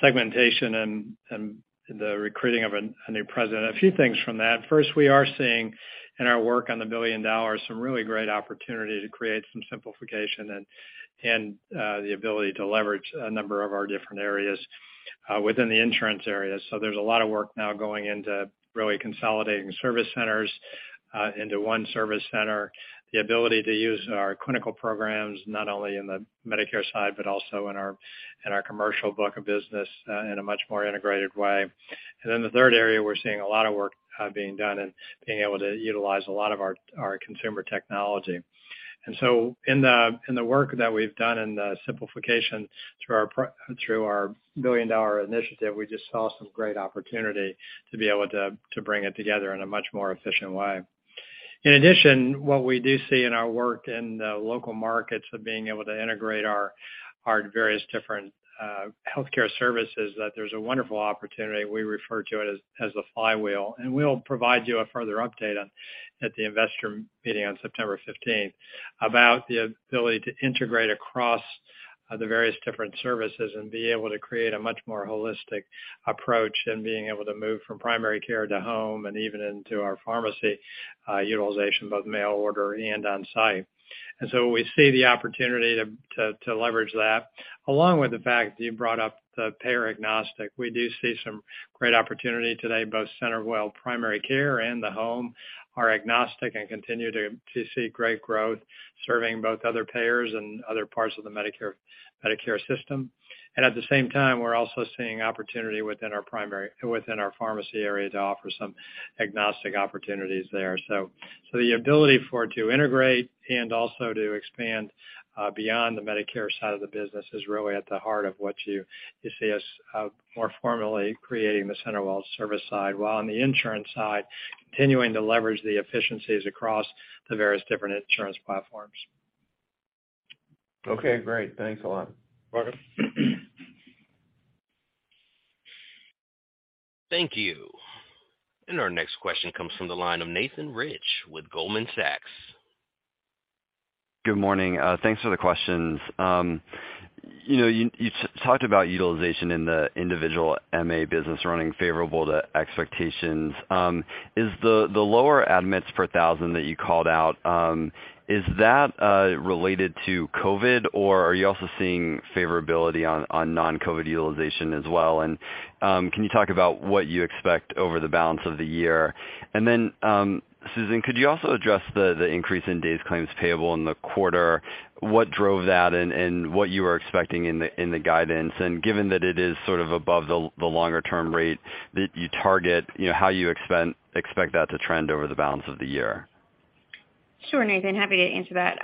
segmentation and the recruiting of a new president, a few things from that. First, we are seeing in our work on the billion-dollar segment some really great opportunity to create some simplification and the ability to leverage a number of our different areas within the insurance area. There's a lot of work now going into really consolidating service centers into one service center. The ability to use our clinical programs, not only in the Medicare side, but also in our commercial book of business in a much more integrated way. The third area, we're seeing a lot of work being done in being able to utilize a lot of our consumer technology. In the work that we've done in the simplification through our billion-dollar initiative, we just saw some great opportunity to be able to bring it together in a much more efficient way. In addition, what we do see in our work in the local markets of being able to integrate our various different healthcare services, that there's a wonderful opportunity, we refer to it as the flywheel. We'll provide you a further update at the investor meeting on September fifteenth about the ability to integrate across the various different services and be able to create a much more holistic approach in being able to move from primary care to home and even into our pharmacy utilization, both mail order and on site. We see the opportunity to leverage that, along with the fact that you brought up the payer agnostic. We do see some great opportunity today. Both CenterWell primary care and the home are agnostic and continue to see great growth serving both other payers and other parts of the Medicare system. At the same time, we're also seeing opportunity within our pharmacy area to offer some agnostic opportunities there. The ability for it to integrate and also to expand beyond the Medicare side of the business is really at the heart of what you see us more formally creating the CenterWell service side, while on the insurance side, continuing to leverage the efficiencies across the various different insurance platforms. Okay, great. Thanks a lot. Welcome. Thank you. Our next question comes from the line of Nathan Rich with Goldman Sachs. Good morning. Thanks for the questions. You know, you talked about utilization in the individual MA business running favorable to expectations. Is the lower admits per thousand that you called out related to COVID, or are you also seeing favorability on non-COVID utilization as well? Can you talk about what you expect over the balance of the year? Susan, could you also address the increase in days claims payable in the quarter? What drove that and what you are expecting in the guidance? Given that it is sort of above the longer-term rate that you target, you know, how you expect that to trend over the balance of the year? Sure, Nathan, happy to answer that.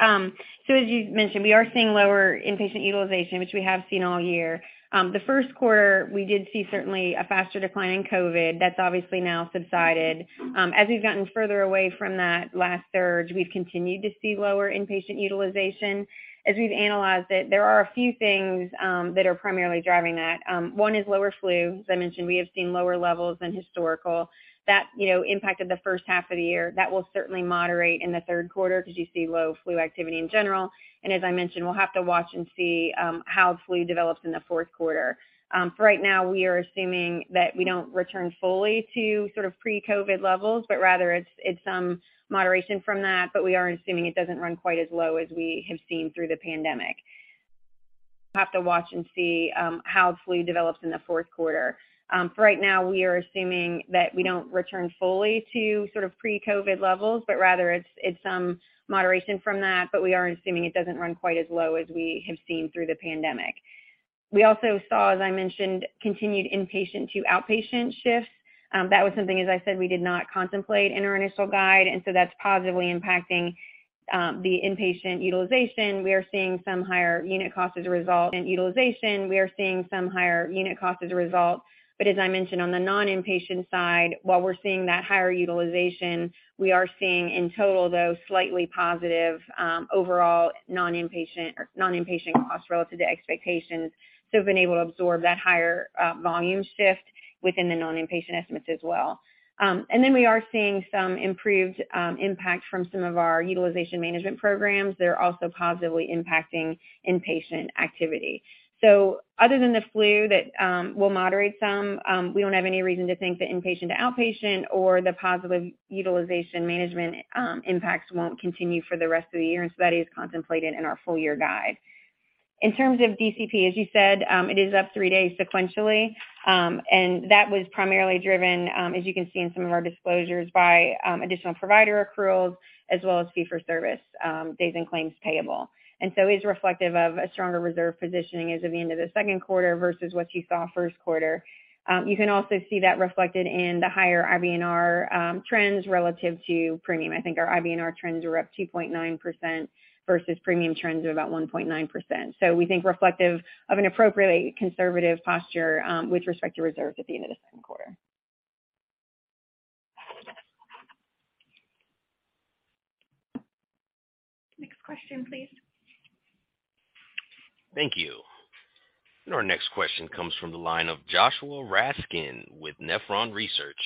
So as you mentioned, we are seeing lower inpatient utilization, which we have seen all year. The first quarter, we did see certainly a faster decline in COVID. That's obviously now subsided. As we've gotten further away from that last surge, we've continued to see lower inpatient utilization. As we've analyzed it, there are a few things that are primarily driving that. One is lower flu. As I mentioned, we have seen lower levels than historical. That, you know, impacted the first half of the year. That will certainly moderate in the third quarter because you see low flu activity in general. As I mentioned, we'll have to watch and see how flu develops in the fourth quarter. For right now, we are assuming that we don't return fully to sort of pre-COVID levels, but rather it's some moderation from that, but we are assuming it doesn't run quite as low as we have seen through the pandemic. We'll have to watch and see how flu develops in the fourth quarter. We also saw, as I mentioned, continued inpatient to outpatient shifts. That was something, as I said, we did not contemplate in our initial guide, and so that's positively impacting the inpatient utilization. We are seeing some higher unit cost as a result and utilization. We are seeing some higher unit cost as a result. As I mentioned, on the non-inpatient side, while we're seeing that higher utilization, we are seeing in total, though, slightly positive overall non-inpatient costs relative to expectations. We've been able to absorb that higher volume shift within the non-inpatient estimates as well. We are seeing some improved impact from some of our utilization management programs. They're also positively impacting inpatient activity. Other than the flu that will moderate some, we don't have any reason to think the inpatient to outpatient or the positive utilization management impacts won't continue for the rest of the year. That is contemplated in our full year guide. In terms of DCP, as you said, it is up 3 days sequentially. That was primarily driven, as you can see in some of our disclosures, by additional provider accruals as well as fee for service days and claims payable. It is reflective of a stronger reserve positioning as of the end of the second quarter versus what you saw first quarter. You can also see that reflected in the higher IBNR trends relative to premium. I think our IBNR trends are up 2.9% versus premium trends of about 1.9%. We think reflective of an appropriately conservative posture with respect to reserves at the end of the second quarter. Next question, please. Thank you. Our next question comes from the line of Joshua Raskin with Nephron Research.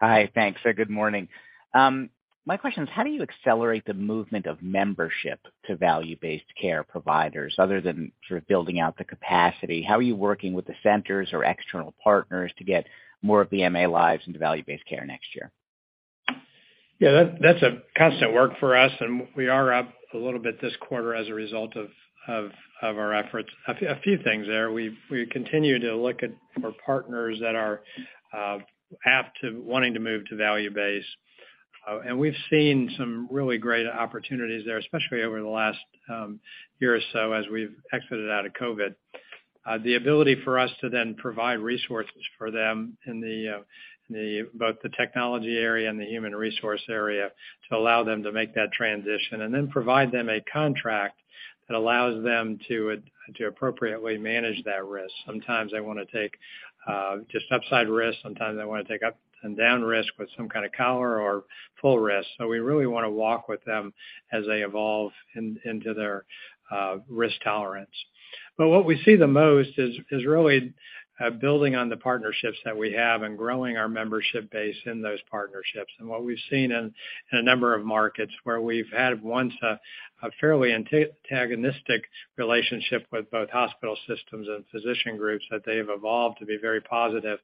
Hi. Thanks. Good morning. My question is, how do you accelerate the movement of membership to value-based care providers other than sort of building out the capacity? How are you working with the centers or external partners to get more of the MA lives into value-based care next year? Yeah, that's a constant work for us, and we are up a little bit this quarter as a result of our efforts. A few things there. We continue to look at our partners that are apt to wanting to move to value-based. We've seen some really great opportunities there, especially over the last year or so as we've exited out of COVID. The ability for us to then provide resources for them in both the technology area and the human resource area to allow them to make that transition, and then provide them a contract that allows them to appropriately manage that risk. Sometimes they wanna take just upside risk, sometimes they wanna take up and down risk with some kind of collar or full risk. We really wanna walk with them as they evolve into their risk tolerance. What we see the most is really building on the partnerships that we have and growing our membership base in those partnerships. What we've seen in a number of markets where we once had a fairly antagonistic relationship with both hospital systems and physician groups, that they have evolved to be very positive.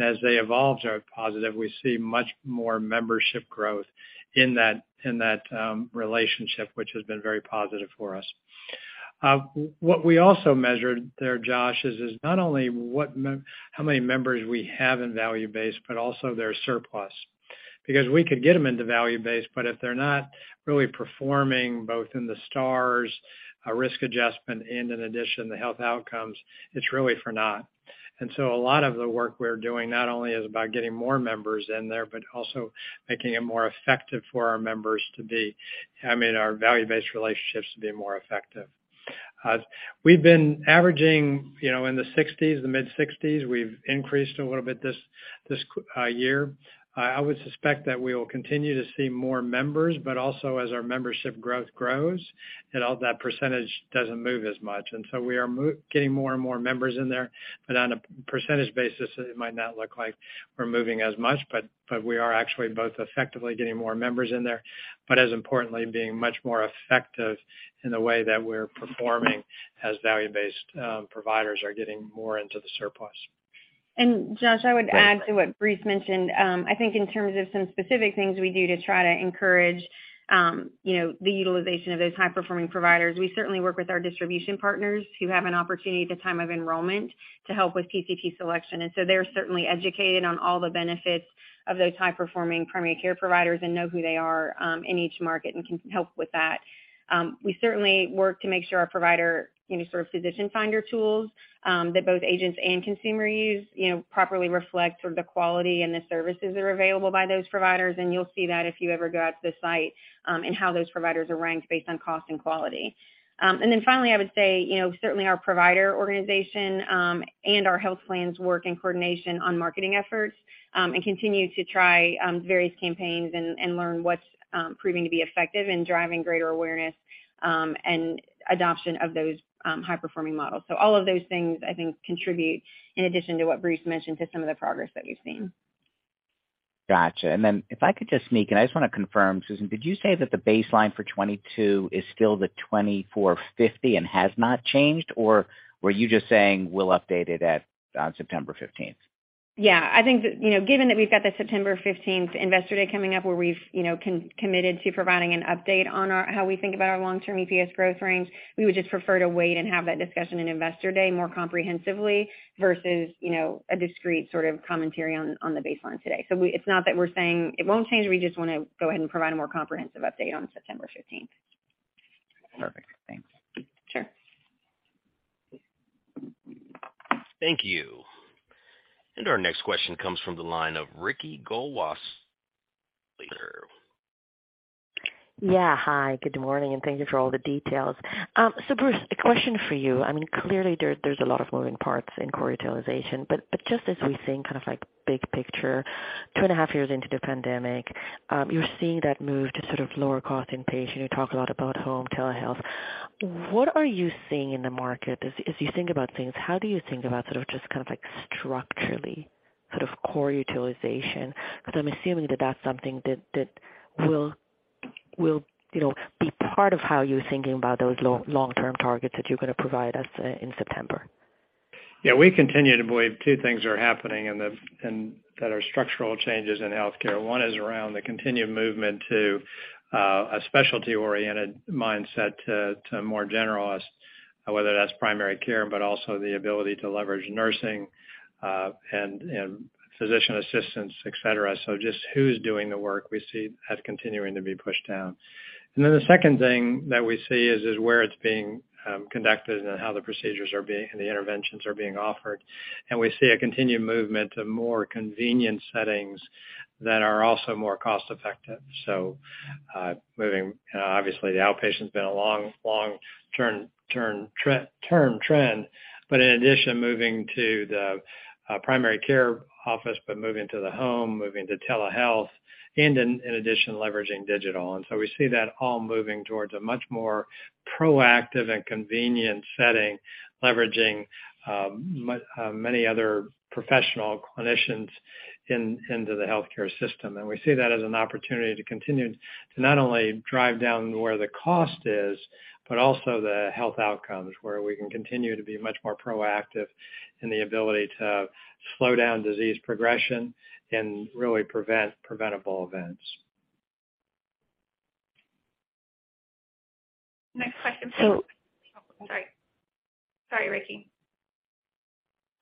As they evolve to a positive, we see much more membership growth in that relationship, which has been very positive for us. What we also measured there, Josh, is not only how many members we have in value-based, but also their surplus. Because we could get them into value-based, but if they're not really performing both in the Stars, risk adjustment, and in addition, the health outcomes, it's really for naught. A lot of the work we're doing not only is about getting more members in there, but also making it more effective for our members to be, I mean, our value-based relationships to be more effective. We've been averaging, you know, in the 60s, the mid-60s. We've increased a little bit this year. I would suspect that we will continue to see more members, but also as our membership growth grows, that all that percentage doesn't move as much. We are getting more and more members in there. On a percentage basis, it might not look like we're moving as much, but we are actually both effectively getting more members in there, but as importantly, being much more effective in the way that we're performing as value-based providers are getting more into the surplus. Josh, I would add to what Bruce mentioned. I think in terms of some specific things we do to try to encourage, you know, the utilization of those high-performing providers, we certainly work with our distribution partners who have an opportunity at the time of enrollment to help with PCP selection. They're certainly educated on all the benefits of those high-performing primary care providers and know who they are, in each market and can help with that. We certainly work to make sure our provider, any sort of physician finder tools, that both agents and consumers use, you know, properly reflect sort of the quality and the services that are available by those providers. You'll see that if you ever go out to the site, in how those providers are ranked based on cost and quality. Finally, I would say, you know, certainly our provider organization and our health plans work in coordination on marketing efforts and continue to try various campaigns and learn what's proving to be effective in driving greater awareness and adoption of those high-performing models. All of those things, I think, contribute, in addition to what Bruce mentioned, to some of the progress that we've seen. Gotcha. If I could just sneak in, I just wanna confirm, Susan, did you say that the baseline for 2022 is still the $24.50 and has not changed? Or were you just saying we'll update it at on September fifteenth? Yeah, I think that, you know, given that we've got the September fifteenth investor day coming up where we've, you know, committed to providing an update on how we think about our long-term EPS growth range, we would just prefer to wait and have that discussion in investor day more comprehensively versus, you know, a discrete sort of commentary on the baseline today. It's not that we're saying it won't change, we just wanna go ahead and provide a more comprehensive update on September fifteenth. Perfect. Thanks. Sure. Thank you. Our next question comes from the line of Ricky Goldwasser, please. Yeah. Hi, good morning, and thank you for all the details. So Bruce, a question for you. I mean, clearly there's a lot of moving parts in core utilization, but just as we think kind of like big picture, 2.5 years into the pandemic, you're seeing that move to sort of lower cost inpatient. You talk a lot about home telehealth. What are you seeing in the market as you think about things? How do you think about sort of just kind of like structurally sort of core utilization? Because I'm assuming that that's something that will, you know, be part of how you're thinking about those long-term targets that you're gonna provide us in September. Yeah, we continue to believe two things are happening in that are structural changes in healthcare. One is around the continued movement to a specialty-oriented mindset to more generalist, whether that's primary care, but also the ability to leverage nursing and physician assistants, et cetera. So just who's doing the work we see as continuing to be pushed down. The second thing that we see is where it's being conducted and how the procedures and the interventions are being offered. We see a continued movement to more convenient settings that are also more cost effective. Moving obviously the outpatient has been a long-term trend. In addition, moving to the primary care office, moving to the home, moving to telehealth, and in addition, leveraging digital. We see that all moving towards a much more proactive and convenient setting, leveraging many other professional clinicians into the healthcare system. We see that as an opportunity to continue to not only drive down where the cost is, but also the health outcomes, where we can continue to be much more proactive in the ability to slow down disease progression and really prevent preventable events. Next question from. So- I'm sorry. Sorry, Ricky.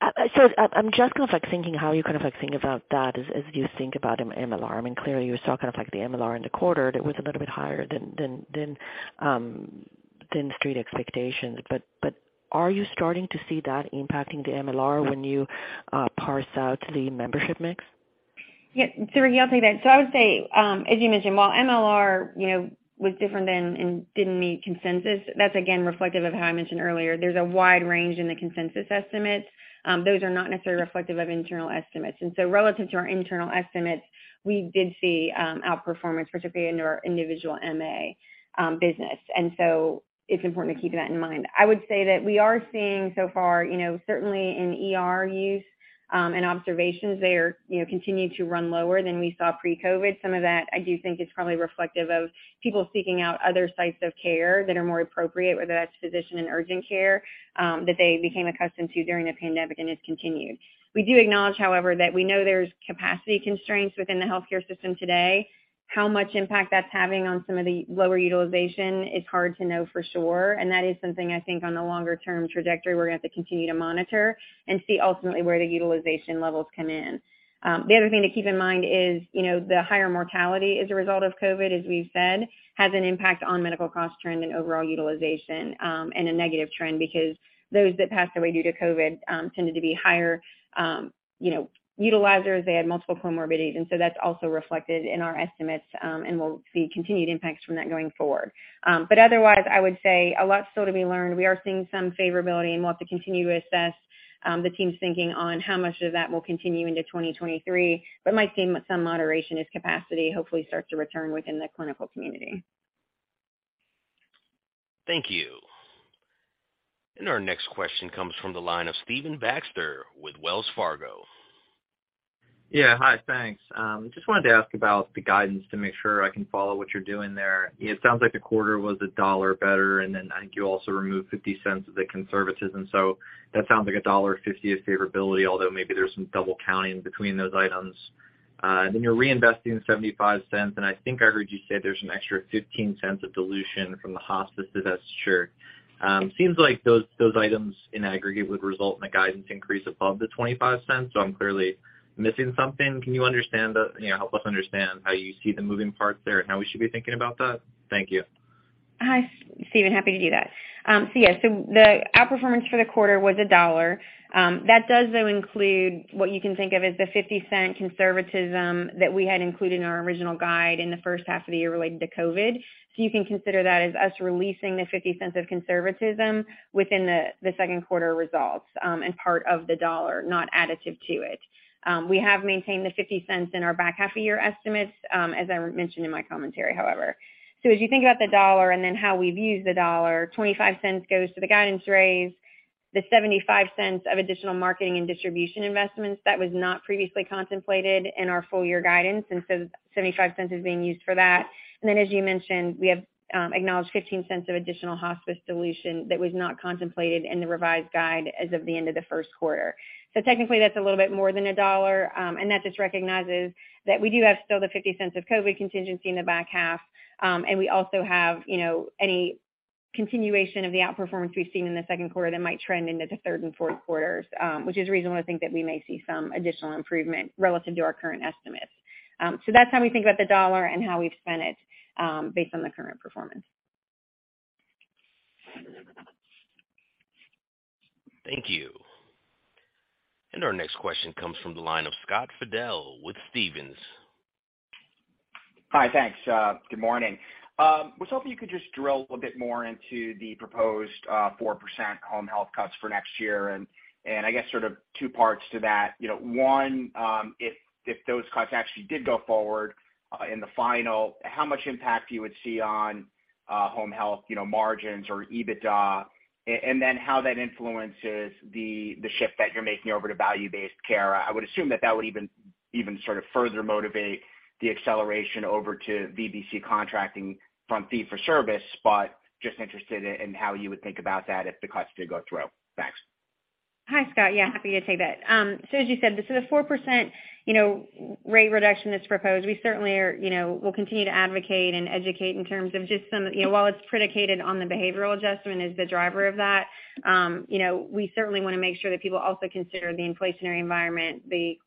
I'm just kind of like thinking how you kind of like think about that as you think about MLR. I mean, clearly you were talking of like the MLR in the quarter that was a little bit higher than Street expectations. Are you starting to see that impacting the MLR when you parse out the membership mix? Yeah. Ricky, I'll take that. I would say, as you mentioned, while MLR, you know, was different than and didn't meet consensus, that's again reflective of how I mentioned earlier. There's a wide range in the consensus estimates. Those are not necessarily reflective of internal estimates. Relative to our internal estimates, we did see outperformance, particularly in our individual MA business. It's important to keep that in mind. I would say that we are seeing so far, you know, certainly in ER use and observations there, you know, continue to run lower than we saw pre-COVID. Some of that I do think is probably reflective of people seeking out other sites of care that are more appropriate, whether that's physician and urgent care that they became accustomed to during the pandemic and has continued. We do acknowledge, however, that we know there's capacity constraints within the healthcare system today. How much impact that's having on some of the lower utilization, it's hard to know for sure. That is something I think on the longer term trajectory we're gonna have to continue to monitor and see ultimately where the utilization levels come in. The other thing to keep in mind is, you know, the higher mortality as a result of COVID, as we've said, has an impact on medical cost trend and overall utilization, and a negative trend because those that passed away due to COVID tended to be higher, you know, utilizers. They had multiple comorbidities, and so that's also reflected in our estimates, and we'll see continued impacts from that going forward. Otherwise, I would say a lot still to be learned. We are seeing some favorability, and we'll have to continue to assess the team's thinking on how much of that will continue into 2023. Might see some moderation as capacity hopefully starts to return within the clinical community. Thank you. Our next question comes from the line of Stephen Baxter with Wells Fargo. Yeah. Hi. Thanks. Just wanted to ask about the guidance to make sure I can follow what you're doing there. It sounds like the quarter was $1 better, and then I think you also removed $0.50 of the conservatism. That sounds like $1.50 is favorability, although maybe there's some double counting between those items. Then you're reinvesting $0.75, and I think I heard you say there's an extra $0.15 of dilution from the hospice divestiture. Seems like those items in aggregate would result in a guidance increase above the $0.25, so I'm clearly missing something. Can you help us understand how you see the moving parts there and how we should be thinking about that? Thank you. Hi, Steven, happy to do that. The outperformance for the quarter was $1. That does though include what you can think of as the $0.50 conservatism that we had included in our original guide in the first half of the year related to COVID. You can consider that as us releasing the $0.50 of conservatism within the second quarter results, and part of the dollar, not additive to it. We have maintained the $0.50 in our back half of year estimates, as I mentioned in my commentary, however. As you think about the dollar and then how we've used the dollar, $0.25 goes to the guidance raise, the $0.75 of additional marketing and distribution investments that was not previously contemplated in our full year guidance, and so $0.75 is being used for that. As you mentioned, we have acknowledged $0.15 of additional hospice dilution that was not contemplated in the revised guide as of the end of the first quarter. Technically, that's a little bit more than a dollar, and that just recognizes that we do have still the $0.50 of COVID contingency in the back half. We also have, you know, any continuation of the outperformance we've seen in the second quarter that might trend into the third and fourth quarters, which is a reason why I think that we may see some additional improvement relative to our current estimates. That's how we think about the dollar and how we've spent it, based on the current performance. Thank you. Our next question comes from the line of Scott Fidel with Stephens. Hi. Thanks. Good morning. Was hoping you could just drill a little bit more into the proposed 4% home health cuts for next year. I guess sort of two parts to that. You know, one, if those cuts actually did go forward in the final, how much impact you would see on home health, you know, margins or EBITDA, and then how that influences the shift that you're making over to value-based care. I would assume that that would even sort of further motivate the acceleration over to VBC contracting from fee for service, but just interested in how you would think about that if the cuts did go through. Thanks. Hi, Scott. Yeah, happy to take that. So as you said, so the 4%, you know, rate reduction that's proposed, we certainly are, you know, we'll continue to advocate and educate in terms of just some, you know, while it's predicated on the behavioral adjustment as the driver of that, you know, we certainly wanna make sure that people also consider the inflationary environment, the,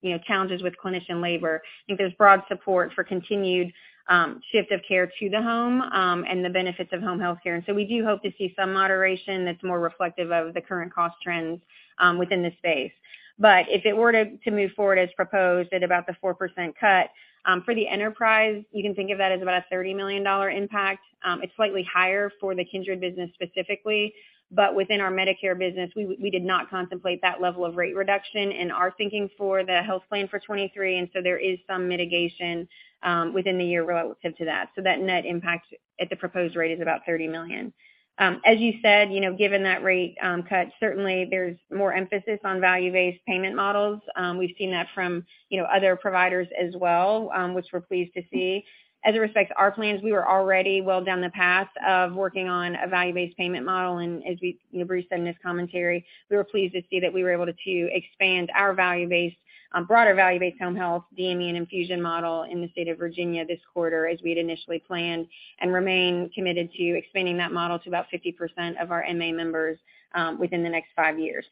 you know, challenges with clinician labor. I think there's broad support for continued shift of care to the home, and the benefits of home health care. We do hope to see some moderation that's more reflective of the current cost trends, within the space. But if it were to move forward as proposed at about the 4% cut, for the enterprise, you can think of that as about a $30 million impact. It's slightly higher for the Kindred business specifically, but within our Medicare business, we did not contemplate that level of rate reduction in our thinking for the health plan for 2023, and there is some mitigation within the year relative to that. That net impact at the proposed rate is about $30 million. As you said, you know, given that rate cut, certainly there's more emphasis on value-based payment models. We've seen that from, you know, other providers as well, which we're pleased to see. As it respects our plans, we were already well down the path of working on a value-based payment model, and as we, you know, Bruce said in his commentary, we were pleased to see that we were able to expand our value-based, broader value-based home health DME and infusion model in the state of Virginia this quarter as we had initially planned, and remain committed to expanding that model to about 50% of our MA members, within the next five years.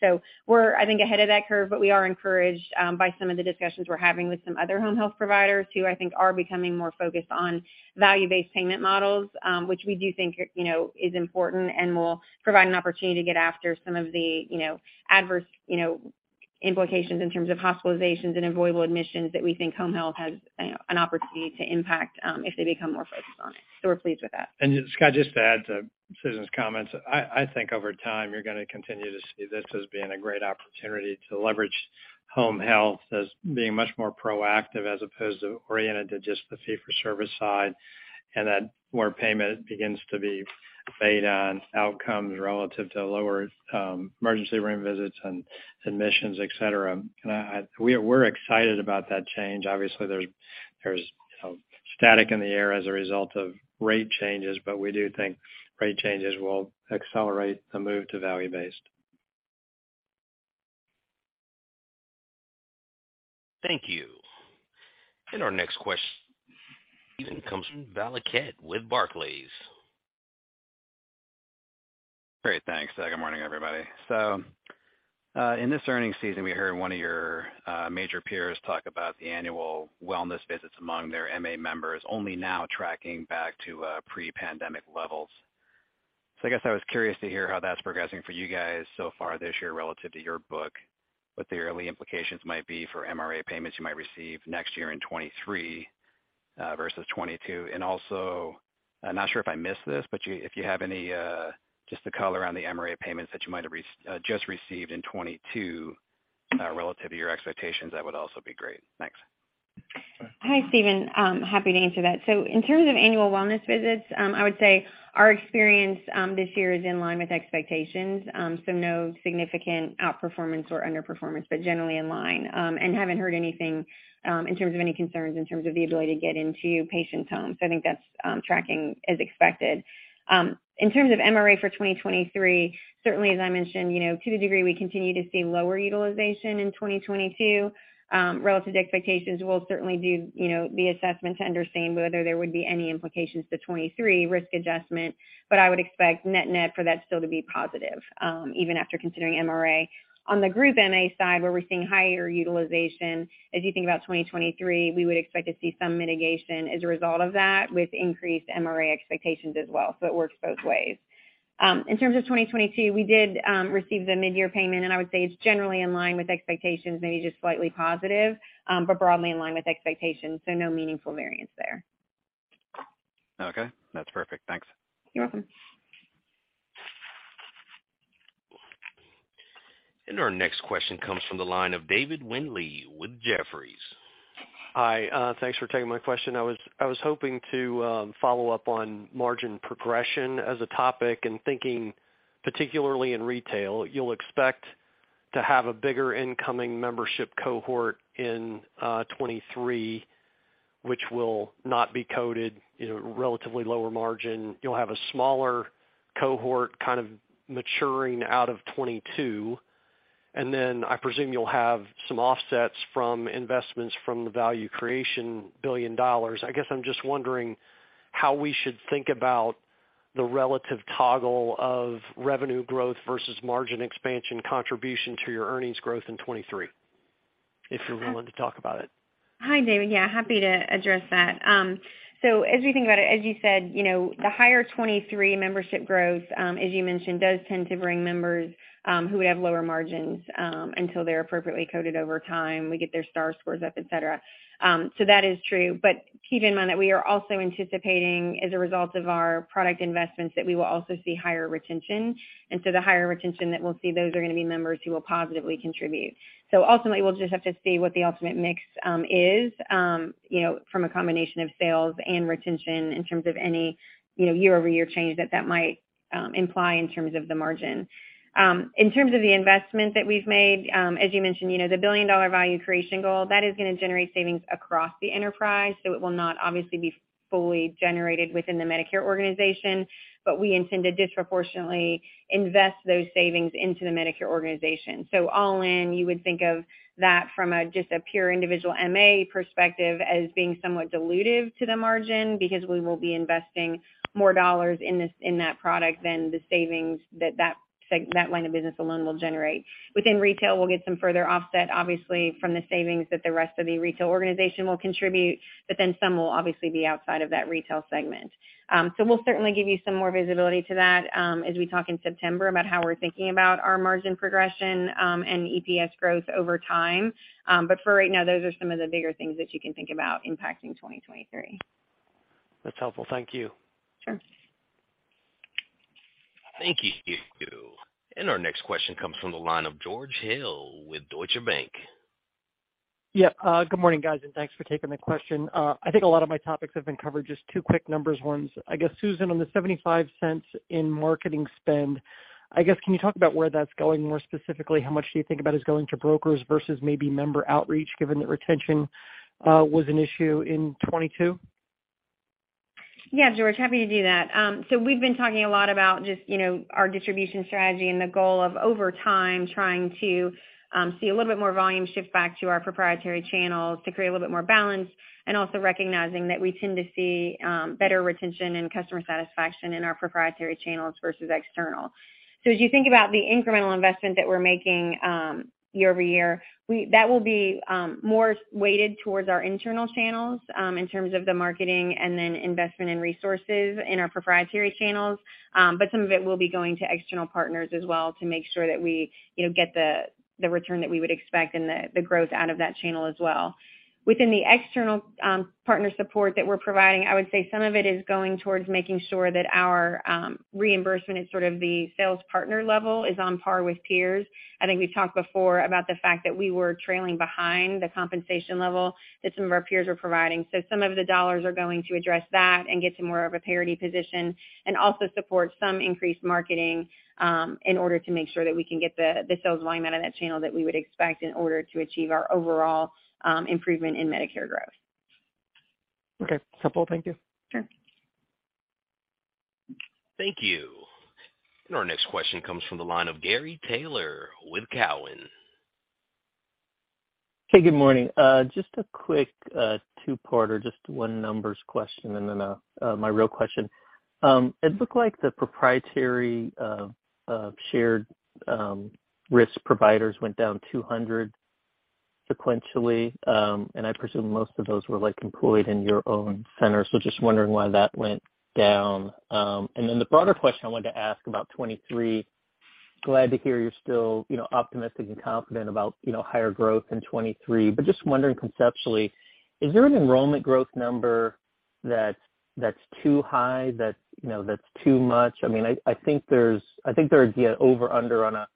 We're, I think, ahead of that curve, but we are encouraged by some of the discussions we're having with some other home health providers who I think are becoming more focused on value-based payment models, which we do think are, you know, is important and will provide an opportunity to get after some of the, you know, adverse, you know, implications in terms of hospitalizations and avoidable admissions that we think home health has an opportunity to impact, if they become more focused on it. We're pleased with that. Scott, just to add to Susan's comments, I think over time, you're gonna continue to see this as being a great opportunity to leverage home health as being much more proactive as opposed to oriented to just the fee for service side, and that more payment begins to be made on outcomes relative to lower emergency room visits and admissions, et cetera. We're excited about that change. Obviously, there's you know, static in the air as a result of rate changes, but we do think rate changes will accelerate the move to value based. Thank you. Our next question comes from Steven Valiquette with Barclays. Great. Thanks. Good morning, everybody. In this earnings season, we heard one of your major peers talk about the annual wellness visits among their MA members only now tracking back to pre-pandemic levels. I guess I was curious to hear how that's progressing for you guys so far this year relative to your book, what the early implications might be for MRA payments you might receive next year in 2023 versus 2022. Also, I'm not sure if I missed this, but if you have any just the color on the MRA payments that you might have just received in 2022 relative to your expectations, that would also be great. Thanks. Hi, Steven. Happy to answer that. In terms of annual wellness visits, I would say our experience this year is in line with expectations, so no significant outperformance or underperformance, but generally in line. Haven't heard anything in terms of any concerns in terms of the ability to get into patients' homes. I think that's tracking as expected. In terms of MRA for 2023, certainly as I mentioned, you know, to the degree we continue to see lower utilization in 2022, relative to expectations, we'll certainly do, you know, the assessment to understand whether there would be any implications to 2023 risk adjustment. I would expect net net for that still to be positive, even after considering MRA. On the group MA side, where we're seeing higher utilization, as you think about 2023, we would expect to see some mitigation as a result of that with increased MRA expectations as well. It works both ways. In terms of 2022, we did receive the midyear payment, and I would say it's generally in line with expectations, maybe just slightly positive, but broadly in line with expectations. No meaningful variance there. Okay, that's perfect. Thanks. You're welcome. Our next question comes from the line of David Windley with Jefferies. Hi, thanks for taking my question. I was hoping to follow up on margin progression as a topic, and thinking particularly in retail. You'll expect to have a bigger incoming membership cohort in 2023, which will not be coded, you know, relatively lower margin. You'll have a smaller cohort kind of maturing out of 2022, and then I presume you'll have some offsets from investments from the value creation $1 billion. I guess I'm just wondering how we should think about the relative toggle of revenue growth versus margin expansion contribution to your earnings growth in 2023, if you're willing to talk about it. Hi, David. Yeah, happy to address that. As you think about it, as you said, you know, the higher 2023 membership growth, as you mentioned, does tend to bring members who have lower margins until they're appropriately coded over time. We get their star scores up, et cetera. That is true. But keep in mind that we are also anticipating, as a result of our product investments, that we will also see higher retention. The higher retention that we'll see, those are gonna be members who will positively contribute. Ultimately, we'll just have to see what the ultimate mix is, you know, from a combination of sales and retention in terms of any year-over-year change that that might imply in terms of the margin. In terms of the investment that we've made, as you mentioned, you know, the billion-dollar value creation goal, that is gonna generate savings across the enterprise, so it will not obviously be fully generated within the Medicare organization. We intend to disproportionately invest those savings into the Medicare organization. All in, you would think of that from a, just a pure individual MA perspective as being somewhat dilutive to the margin because we will be investing more dollars in this, in that product than the savings that line of business alone will generate. Within retail, we'll get some further offset, obviously, from the savings that the rest of the retail organization will contribute, but then some will obviously be outside of that retail segment. We'll certainly give you some more visibility to that, as we talk in September about how we're thinking about our margin progression, and EPS growth over time. For right now, those are some of the bigger things that you can think about impacting 2023. That's helpful. Thank you. Sure. Thank you. Our next question comes from the line of George Hill with Deutsche Bank. Yeah. Good morning, guys, and thanks for taking the question. I think a lot of my topics have been covered. Just two quick numbers ones. I guess, Susan, on the $0.75 in marketing spend, I guess, can you talk about where that's going more specifically? How much do you think about is going to brokers versus maybe member outreach, given that retention was an issue in 2022? Yeah, George, happy to do that. We've been talking a lot about just, you know, our distribution strategy and the goal of, over time, trying to see a little bit more volume shift back to our proprietary channels to create a little bit more balance, and also recognizing that we tend to see better retention and customer satisfaction in our proprietary channels versus external. As you think about the incremental investment that we're making year-over-year, that will be more weighted towards our internal channels in terms of the marketing and then investment in resources in our proprietary channels. Some of it will be going to external partners as well to make sure that we, you know, get the return that we would expect and the growth out of that channel as well. Within the external, partner support that we're providing, I would say some of it is going towards making sure that our, reimbursement at sort of the sales partner level is on par with peers. I think we've talked before about the fact that we were trailing behind the compensation level that some of our peers were providing. Some of the dollars are going to address that and get to more of a parity position and also support some increased marketing, in order to make sure that we can get the sales volume out of that channel that we would expect in order to achieve our overall, improvement in Medicare growth. Okay. Helpful. Thank you. Sure. Thank you. Our next question comes from the line of Gary Taylor with Cowen. Hey, good morning. Just a quick two-parter. Just one numbers question and then my real question. It looked like the proprietary shared risk providers went down 200 sequentially, and I presume most of those were, like, employed in your own centers. Just wondering why that went down. The broader question I wanted to ask about 2023, glad to hear you're still, you know, optimistic and confident about, you know, higher growth in 2023. Just wondering conceptually, is there an enrollment growth number that's too high, you know, that's too much? I mean, I think there would be an over-under on a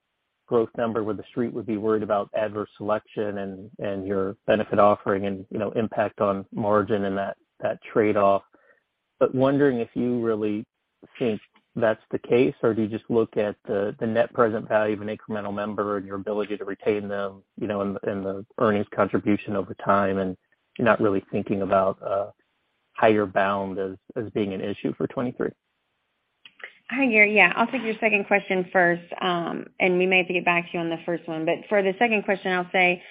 growth number where the Street would be worried about adverse selection and your benefit offering and, you know, impact on margin and that trade-off. wondering if you really think that's the case, or do you just look at the net present value of an incremental member and your ability to retain them, you know, and the earnings contribution over time, and you're not really thinking about a higher bound as being an issue for 2023? Hi, Gary. Yeah, I'll take your second question first, and we may have to get back to you on the first one. For the second question, I'll say,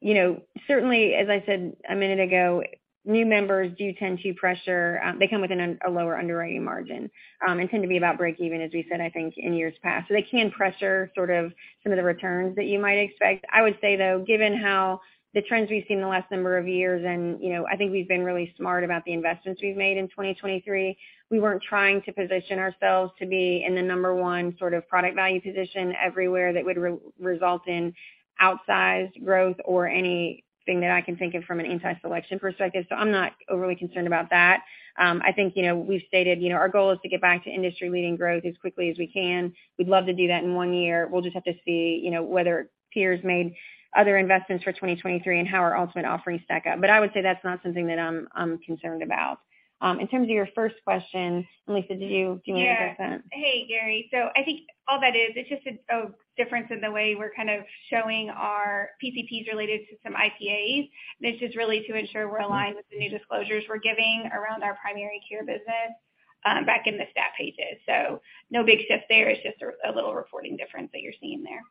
you know, certainly, as I said a minute ago, new members do tend to pressure, they come with a lower underwriting margin, and tend to be about break even, as we said, I think in years past. They can pressure sort of some of the returns that you might expect. I would say, though, given how the trends we've seen in the last number of years, and, you know, I think we've been really smart about the investments we've made in 2023. We weren't trying to position ourselves to be in the number one sort of product value position everywhere that would result in outsized growth or anything that I can think of from an anti-selection perspective. I'm not overly concerned about that. I think, you know, we've stated, you know, our goal is to get back to industry-leading growth as quickly as we can. We'd love to do that in one year. We'll just have to see, you know, whether peers made other investments for 2023 and how our ultimate offerings stack up. I would say that's not something that I'm concerned about. In terms of your first question, Lisa, did you want to address that? Yeah. Hey, Gary. I think all that is, it's just a difference in the way we're kind of showing our PCPs related to some IPAs. It's just really to ensure we're aligned with the new disclosures we're giving around our primary care business back in the stat pages. No big shift there. It's just a little reporting difference that you're seeing there.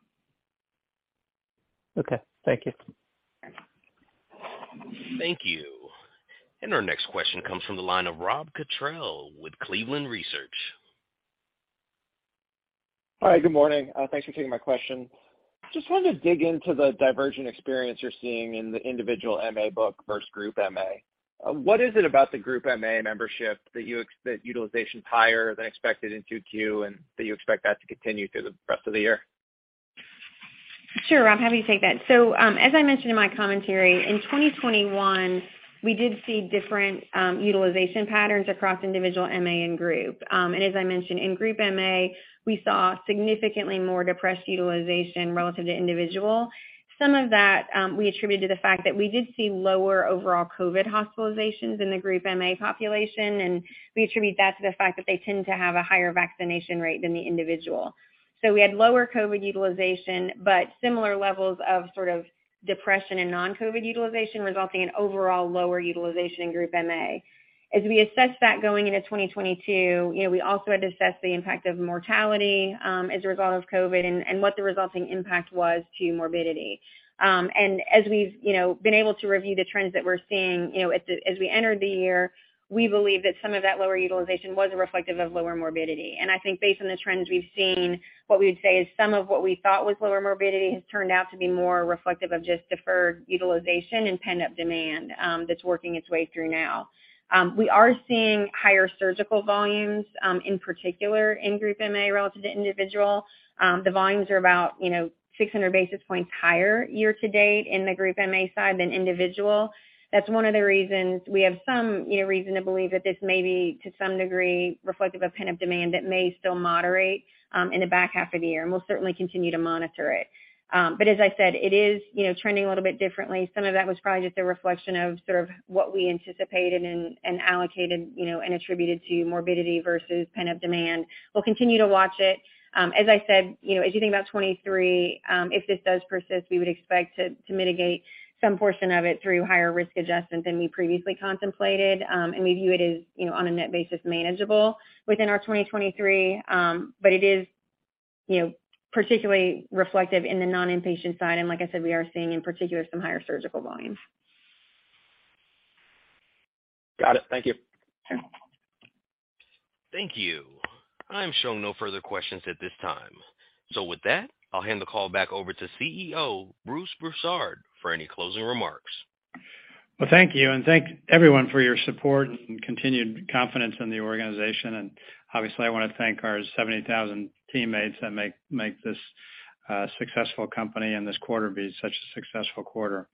Okay. Thank you. Sure. Thank you. Our next question comes from the line of Rob Cottrell with Cleveland Research. Hi, good morning. Thanks for taking my question. Just wanted to dig into the diversion experience you're seeing in the individual MA book versus group MA. What is it about the group MA membership that utilization's higher than expected in 2Q, and that you expect that to continue through the rest of the year? Sure, Rob, happy to take that. As I mentioned in my commentary, in 2021, we did see different utilization patterns across individual MA and group. As I mentioned in group MA, we saw significantly more depressed utilization relative to individual. Some of that, we attribute to the fact that we did see lower overall COVID hospitalizations in the group MA population, and we attribute that to the fact that they tend to have a higher vaccination rate than the individual. We had lower COVID utilization, but similar levels of sort of depression and non-COVID utilization, resulting in overall lower utilization in group MA. As we assessed that going into 2022, you know, we also had to assess the impact of mortality as a result of COVID and what the resulting impact was to morbidity. As we've, you know, been able to review the trends that we're seeing, you know, as we entered the year, we believe that some of that lower utilization was reflective of lower morbidity. I think based on the trends we've seen, what we would say is some of what we thought was lower morbidity has turned out to be more reflective of just deferred utilization and pent-up demand, that's working its way through now. We are seeing higher surgical volumes, in particular in group MA relative to individual. The volumes are about, you know, 600 basis points higher year to date in the group MA side than individual. That's one of the reasons we have some, you know, reason to believe that this may be, to some degree, reflective of pent-up demand that may still moderate, in the back half of the year, and we'll certainly continue to monitor it. As I said, it is, you know, trending a little bit differently. Some of that was probably just a reflection of sort of what we anticipated and allocated, you know, and attributed to morbidity versus pent-up demand. We'll continue to watch it. As I said, you know, as you think about 2023, if this does persist, we would expect to mitigate some portion of it through higher risk adjustment than we previously contemplated. We view it as, you know, on a net basis, manageable within our 2023. It is, you know, particularly reflective in the non-inpatient side. Like I said, we are seeing in particular some higher surgical volumes. Got it. Thank you. Sure. Thank you. I'm showing no further questions at this time. With that, I'll hand the call back over to CEO, Bruce Broussard, for any closing remarks. Well, thank you, and thank everyone for your support and continued confidence in the organization. Obviously I wanna thank our 70,000 teammates that make this successful company and this quarter be such a successful quarter.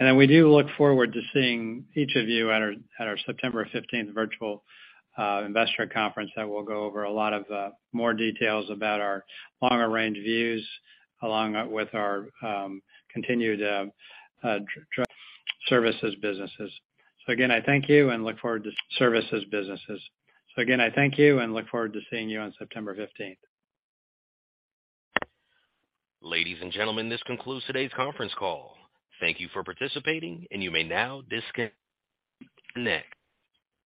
We do look forward to seeing each of you at our September fifteenth virtual investor conference that we'll go over a lot of more details about our longer range views along with our continued services businesses. I thank you and look forward to seeing you on September fifteenth. Ladies and gentlemen, this concludes today's conference call. Thank you for participating, and you may now disconnect.